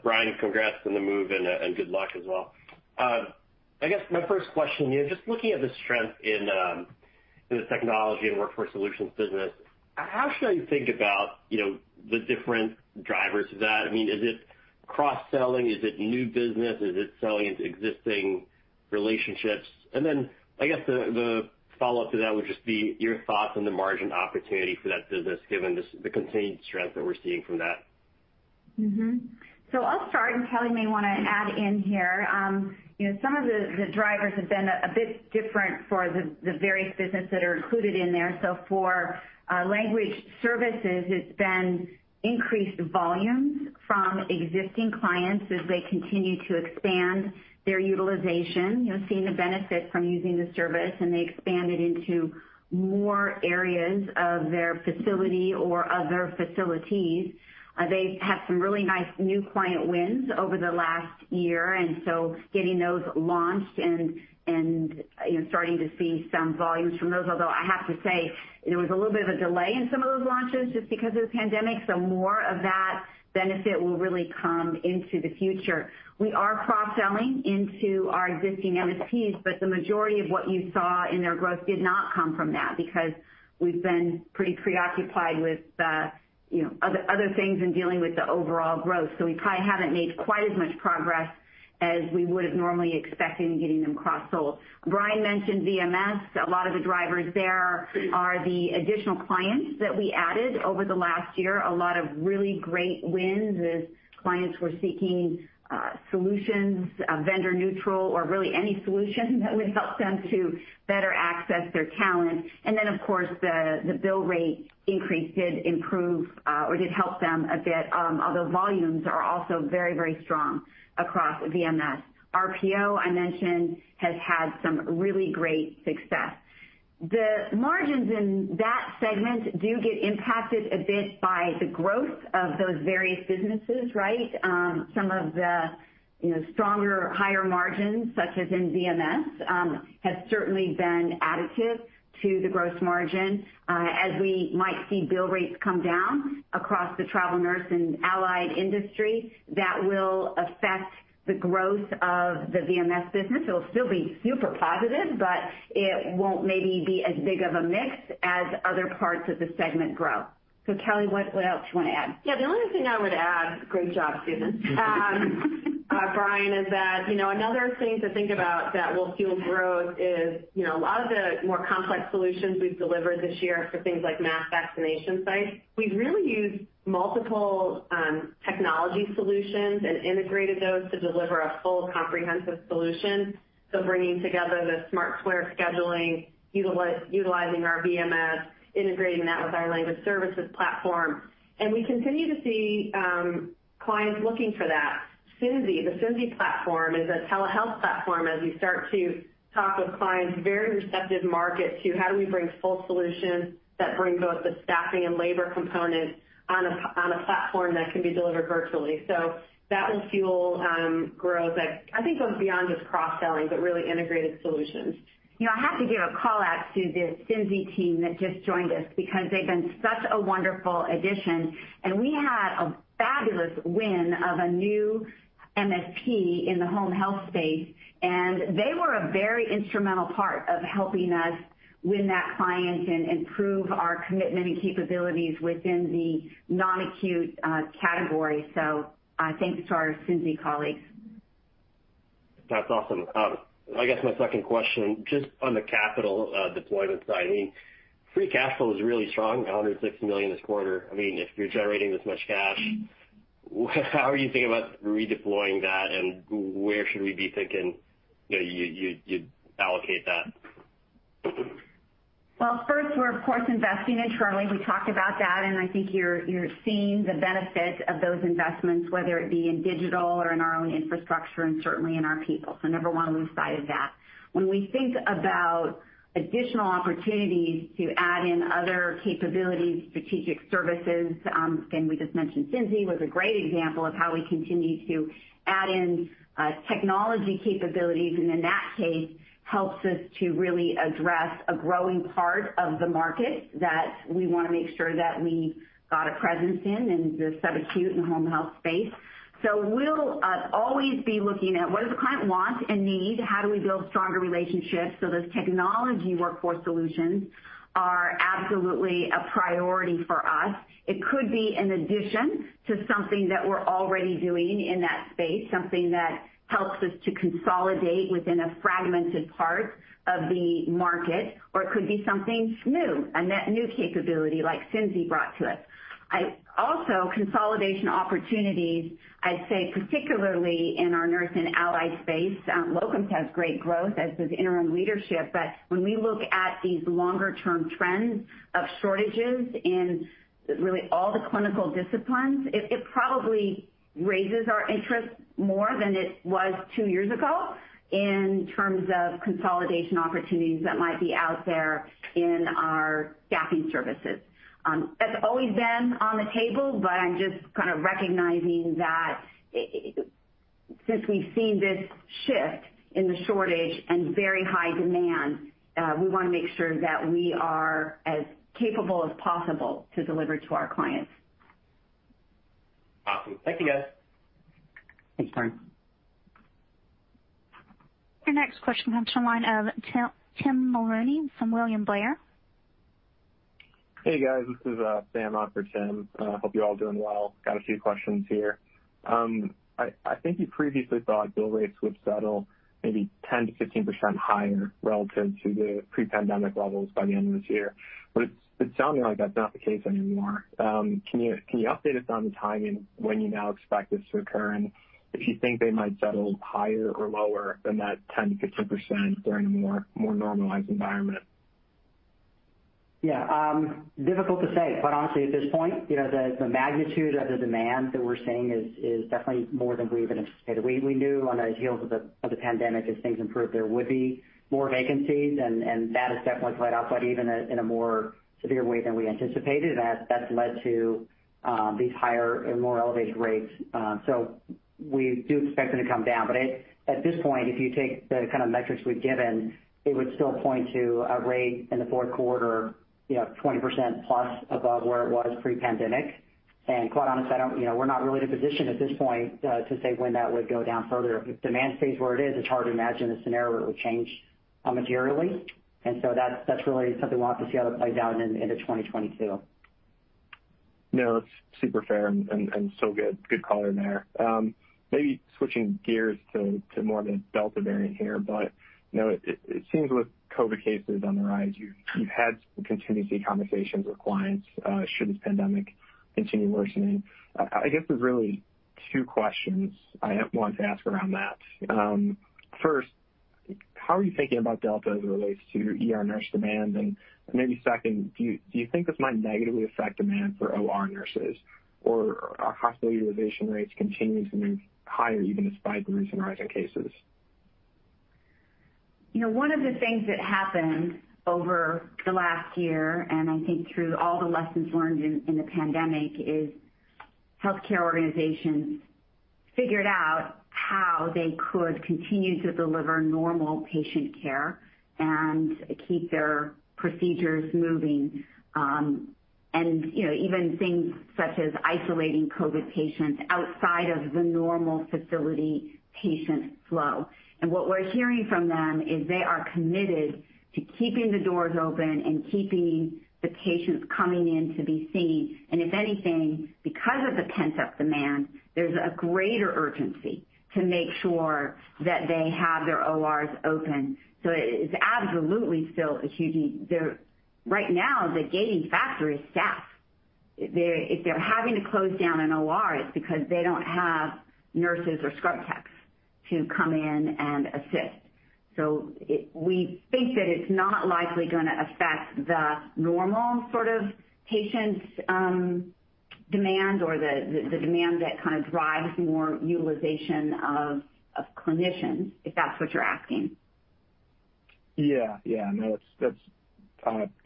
Brian, congrats on the move and good luck as well. I guess my first question, just looking at the strength in the Technology and Workforce Solutions business, how should I think about the different drivers of that? Is it cross-selling? Is it new business? Is it selling into existing relationships? Then I guess the follow-up to that would just be your thoughts on the margin opportunity for that business, given the continued strength that we're seeing from that. I'll start, and Kelly may want to add in here. Some of the drivers have been a bit different for the various businesses that are included in there. For language services, it's been increased volumes from existing clients as they continue to expand their utilization, seeing the benefit from using the service, and they expand it into more areas of their facility or other facilities. They've had some really nice new client wins over the last year, and so getting those launched and starting to see some volumes from those. Although I have to say, there was a little bit of a delay in some of those just because of the pandemic, so more of that benefit will really come into the future. We are cross-selling into our existing MSPs, but the majority of what you saw in their growth did not come from that, because we've been pretty preoccupied with other things and dealing with the overall growth. We probably haven't made quite as much progress as we would've normally expected in getting them cross-sold. Brian mentioned VMS. A lot of the drivers there are the additional clients that we added over the last year, a lot of really great wins as clients were seeking solutions, vendor neutral or really any solution that would help them to better access their talent. Of course, the bill rate increase did improve, or did help them a bit, although volumes are also very, very strong across VMS. RPO, I mentioned, has had some really great success. The margins in that segment do get impacted a bit by the growth of those various businesses, right? Some of the stronger, higher margins, such as in VMS, have certainly been additive to the gross margin. As we might see bill rates come down across the travel nurse and allied industry, that will affect the growth of the VMS business. It'll still be super positive, but it won't maybe be as big of a mix as other parts of the segment grow. Kelly, what else you want to add? Yeah. The only thing I would add, great job, Susan. Brian, another thing to think about that will fuel growth is, a lot of the more complex solutions we've delivered this year for things like mass vaccination sites, we've really used multiple technology solutions and integrated those to deliver a full comprehensive solution. Bringing together the Smart Square scheduling, utilizing our VMS, integrating that with our language services platform. We continue to see clients looking for that. Synzi, the Synzi platform, is a telehealth platform. As we start to talk with clients, very receptive market to how do we bring full solutions that bring both the staffing and labor component on a platform that can be delivered virtually. That will fuel growth that I think goes beyond just cross-selling, but really integrated solutions. I have to give a call-out to the Synzi team that just joined us, because they've been such a wonderful addition. We had a fabulous win of a new MSP in the home health space, and they were a very instrumental part of helping us win that client and improve our commitment and capabilities within the non-acute category. Thanks to our Synzi colleagues. That's awesome. I guess my second question, just on the capital deployment side, free cash flow is really strong, $160 million this quarter. If you're generating this much cash, how are you thinking about redeploying that, and where should we be thinking you'd allocate that? Well, first, we're of course investing internally. We talked about that. I think you're seeing the benefits of those investments, whether it be in digital or in our own infrastructure and certainly in our people. Never want to lose sight of that. When we think about additional opportunities to add in other capabilities, strategic services, again, we just mentioned Synzi, was a great example of how we continue to add in technology capabilities, and in that case, helps us to really address a growing part of the market that we want to make sure that we've got a presence in the sub-acute and home health space. We'll always be looking at what does the client want and need? How do we build stronger relationships? Those technology workforce solutions are absolutely a priority for us. It could be an addition to something that we're already doing in that space, something that helps us to consolidate within a fragmented part of the market, or it could be something new, a net new capability like Synzi brought to us. Consolidation opportunities, I'd say particularly in our nurse and allied space. Locums has great growth, as does interim leadership. When we look at these longer-term trends of shortages in really all the clinical disciplines, it probably raises our interest more than it was two years ago in terms of consolidation opportunities that might be out there in our staffing services. That's always been on the table, but I'm just kind of recognizing that since we've seen this shift in the shortage and very high demand, we want to make sure that we are as capable as possible to deliver to our clients. Awesome. Thank you, guys. Thanks, Brian. Your next question comes from the line of Tim Mulrooney from William Blair. Hey, guys, this is Sam on for Tim. Hope you're all doing well. Got a few questions here. I think you previously thought bill rates would settle maybe 10%-15% higher relative to the pre-pandemic levels by the end of this year. It's sounding like that's not the case anymore. Can you update us on the timing when you now expect this to occur? And if you think they might settle higher or lower than that 10%-15% during a more normalized environment? Yeah. Difficult to say. Quite honestly, at this point, the magnitude of the demand that we're seeing is definitely more than we even anticipated. We knew on the heels of the pandemic, as things improved, there would be more vacancies, and that has definitely played out, but even in a more severe way than we anticipated, and that's led to these higher and more elevated rates. We do expect them to come down. At this point, if you take the kind of metrics we've given, it would still point to a rate in the fourth quarter, 20% above where it was pre-pandemic. Quite honest, we're not really in a position at this point to say when that would go down further. With demand stays where it is, it's hard to imagine a scenario that would change materially. That's really something we'll have to see how that plays out into 2022. No, that's super fair and so good. Good call there. Maybe switching gears to more of the Delta variant here, it seems with COVID cases on the rise, you've had some contingency conversations with clients should this pandemic continue worsening. I guess there's really two questions I want to ask around that. First, how are you thinking about Delta as it relates to your ER nurse demand? Maybe second, do you think this might negatively affect demand for OR nurses, or are hospitalization rates continuing to move higher even despite the recent rise in cases? One of the things that happened over the last year, I think through all the lessons learned in the pandemic, is healthcare organizations figured out how they could continue to deliver normal patient care and keep their procedures moving. Even things such as isolating COVID patients outside of the normal facility patient flow. What we're hearing from them is they are committed to keeping the doors open and keeping the patients coming in to be seen. If anything, because of the pent-up demand, there's a greater urgency to make sure that they have their ORs open. It's absolutely still a huge need. Right now, the gating factor is staff. If they're having to close down an OR, it's because they don't have nurses or scrub techs to come in and assist. We think that it's not likely going to affect the normal sort of patient demand or the demand that kind of drives more utilization of clinicians, if that's what you're asking. Yeah. No, that's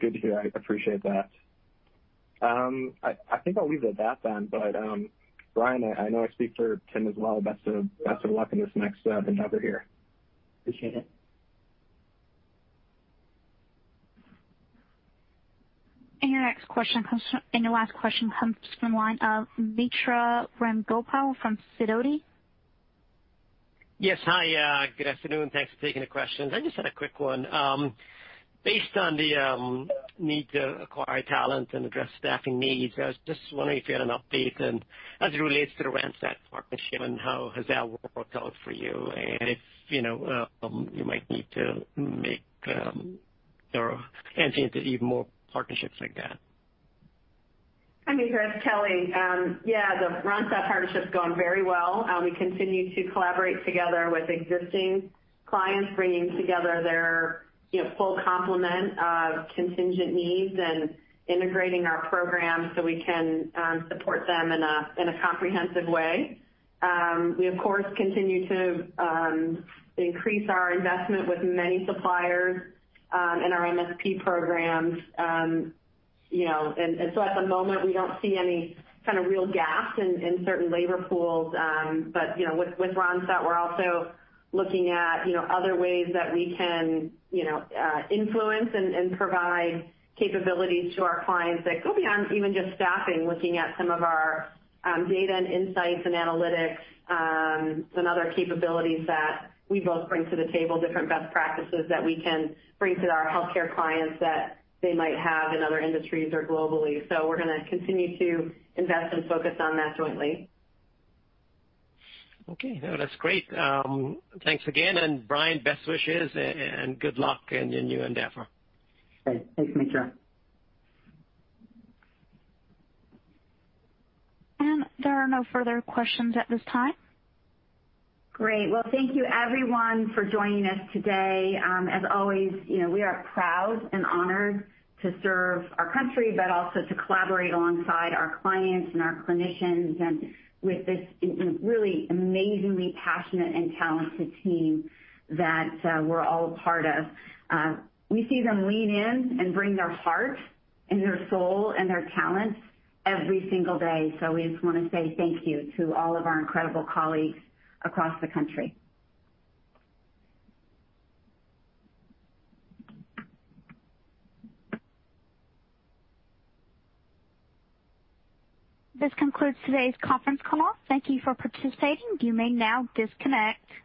good to hear. I appreciate that. I think I'll leave it at that then, but Brian, I know I speak for Tim as well, best of luck in this next endeavor here. Appreciate it. Your last question comes from the line of Mitra Ramgopal from Sidoti. Yes, hi. Good afternoon. Thanks for taking the questions. I just had a quick one. Based on the need to acquire talent and address staffing needs, I was just wondering if you had an update as it relates to the Randstad partnership and how has that worked out for you. If you might need to enter into even more partnerships like that. Hi, Mitra, it's Kelly. Yeah, the Randstad partnership's gone very well. We continue to collaborate together with existing clients, bringing together their full complement of contingent needs and integrating our programs so we can support them in a comprehensive way. At the moment, we don't see any kind of real gaps in certain labor pools. With Randstad, we're also looking at other ways that we can influence and provide capabilities to our clients that go beyond even just staffing, looking at some of our data and insights and analytics, and other capabilities that we both bring to the table, different best practices that we can bring to our healthcare clients that they might have in other industries or globally. We're going to continue to invest and focus on that jointly. Okay. No, that's great. Thanks again, and Brian, best wishes and good luck in your new endeavor. Great. Thanks, Mitra. There are no further questions at this time. Great. Well, thank you everyone for joining us today. As always, we are proud and honored to serve our country, but also to collaborate alongside our clients and our clinicians, and with this really amazingly passionate and talented team that we're all a part of. We see them lean in and bring their heart and their soul and their talents every single day. We just want to say thank you to all of our incredible colleagues across the country. This concludes today's conference call. Thank you for participating. You may now disconnect.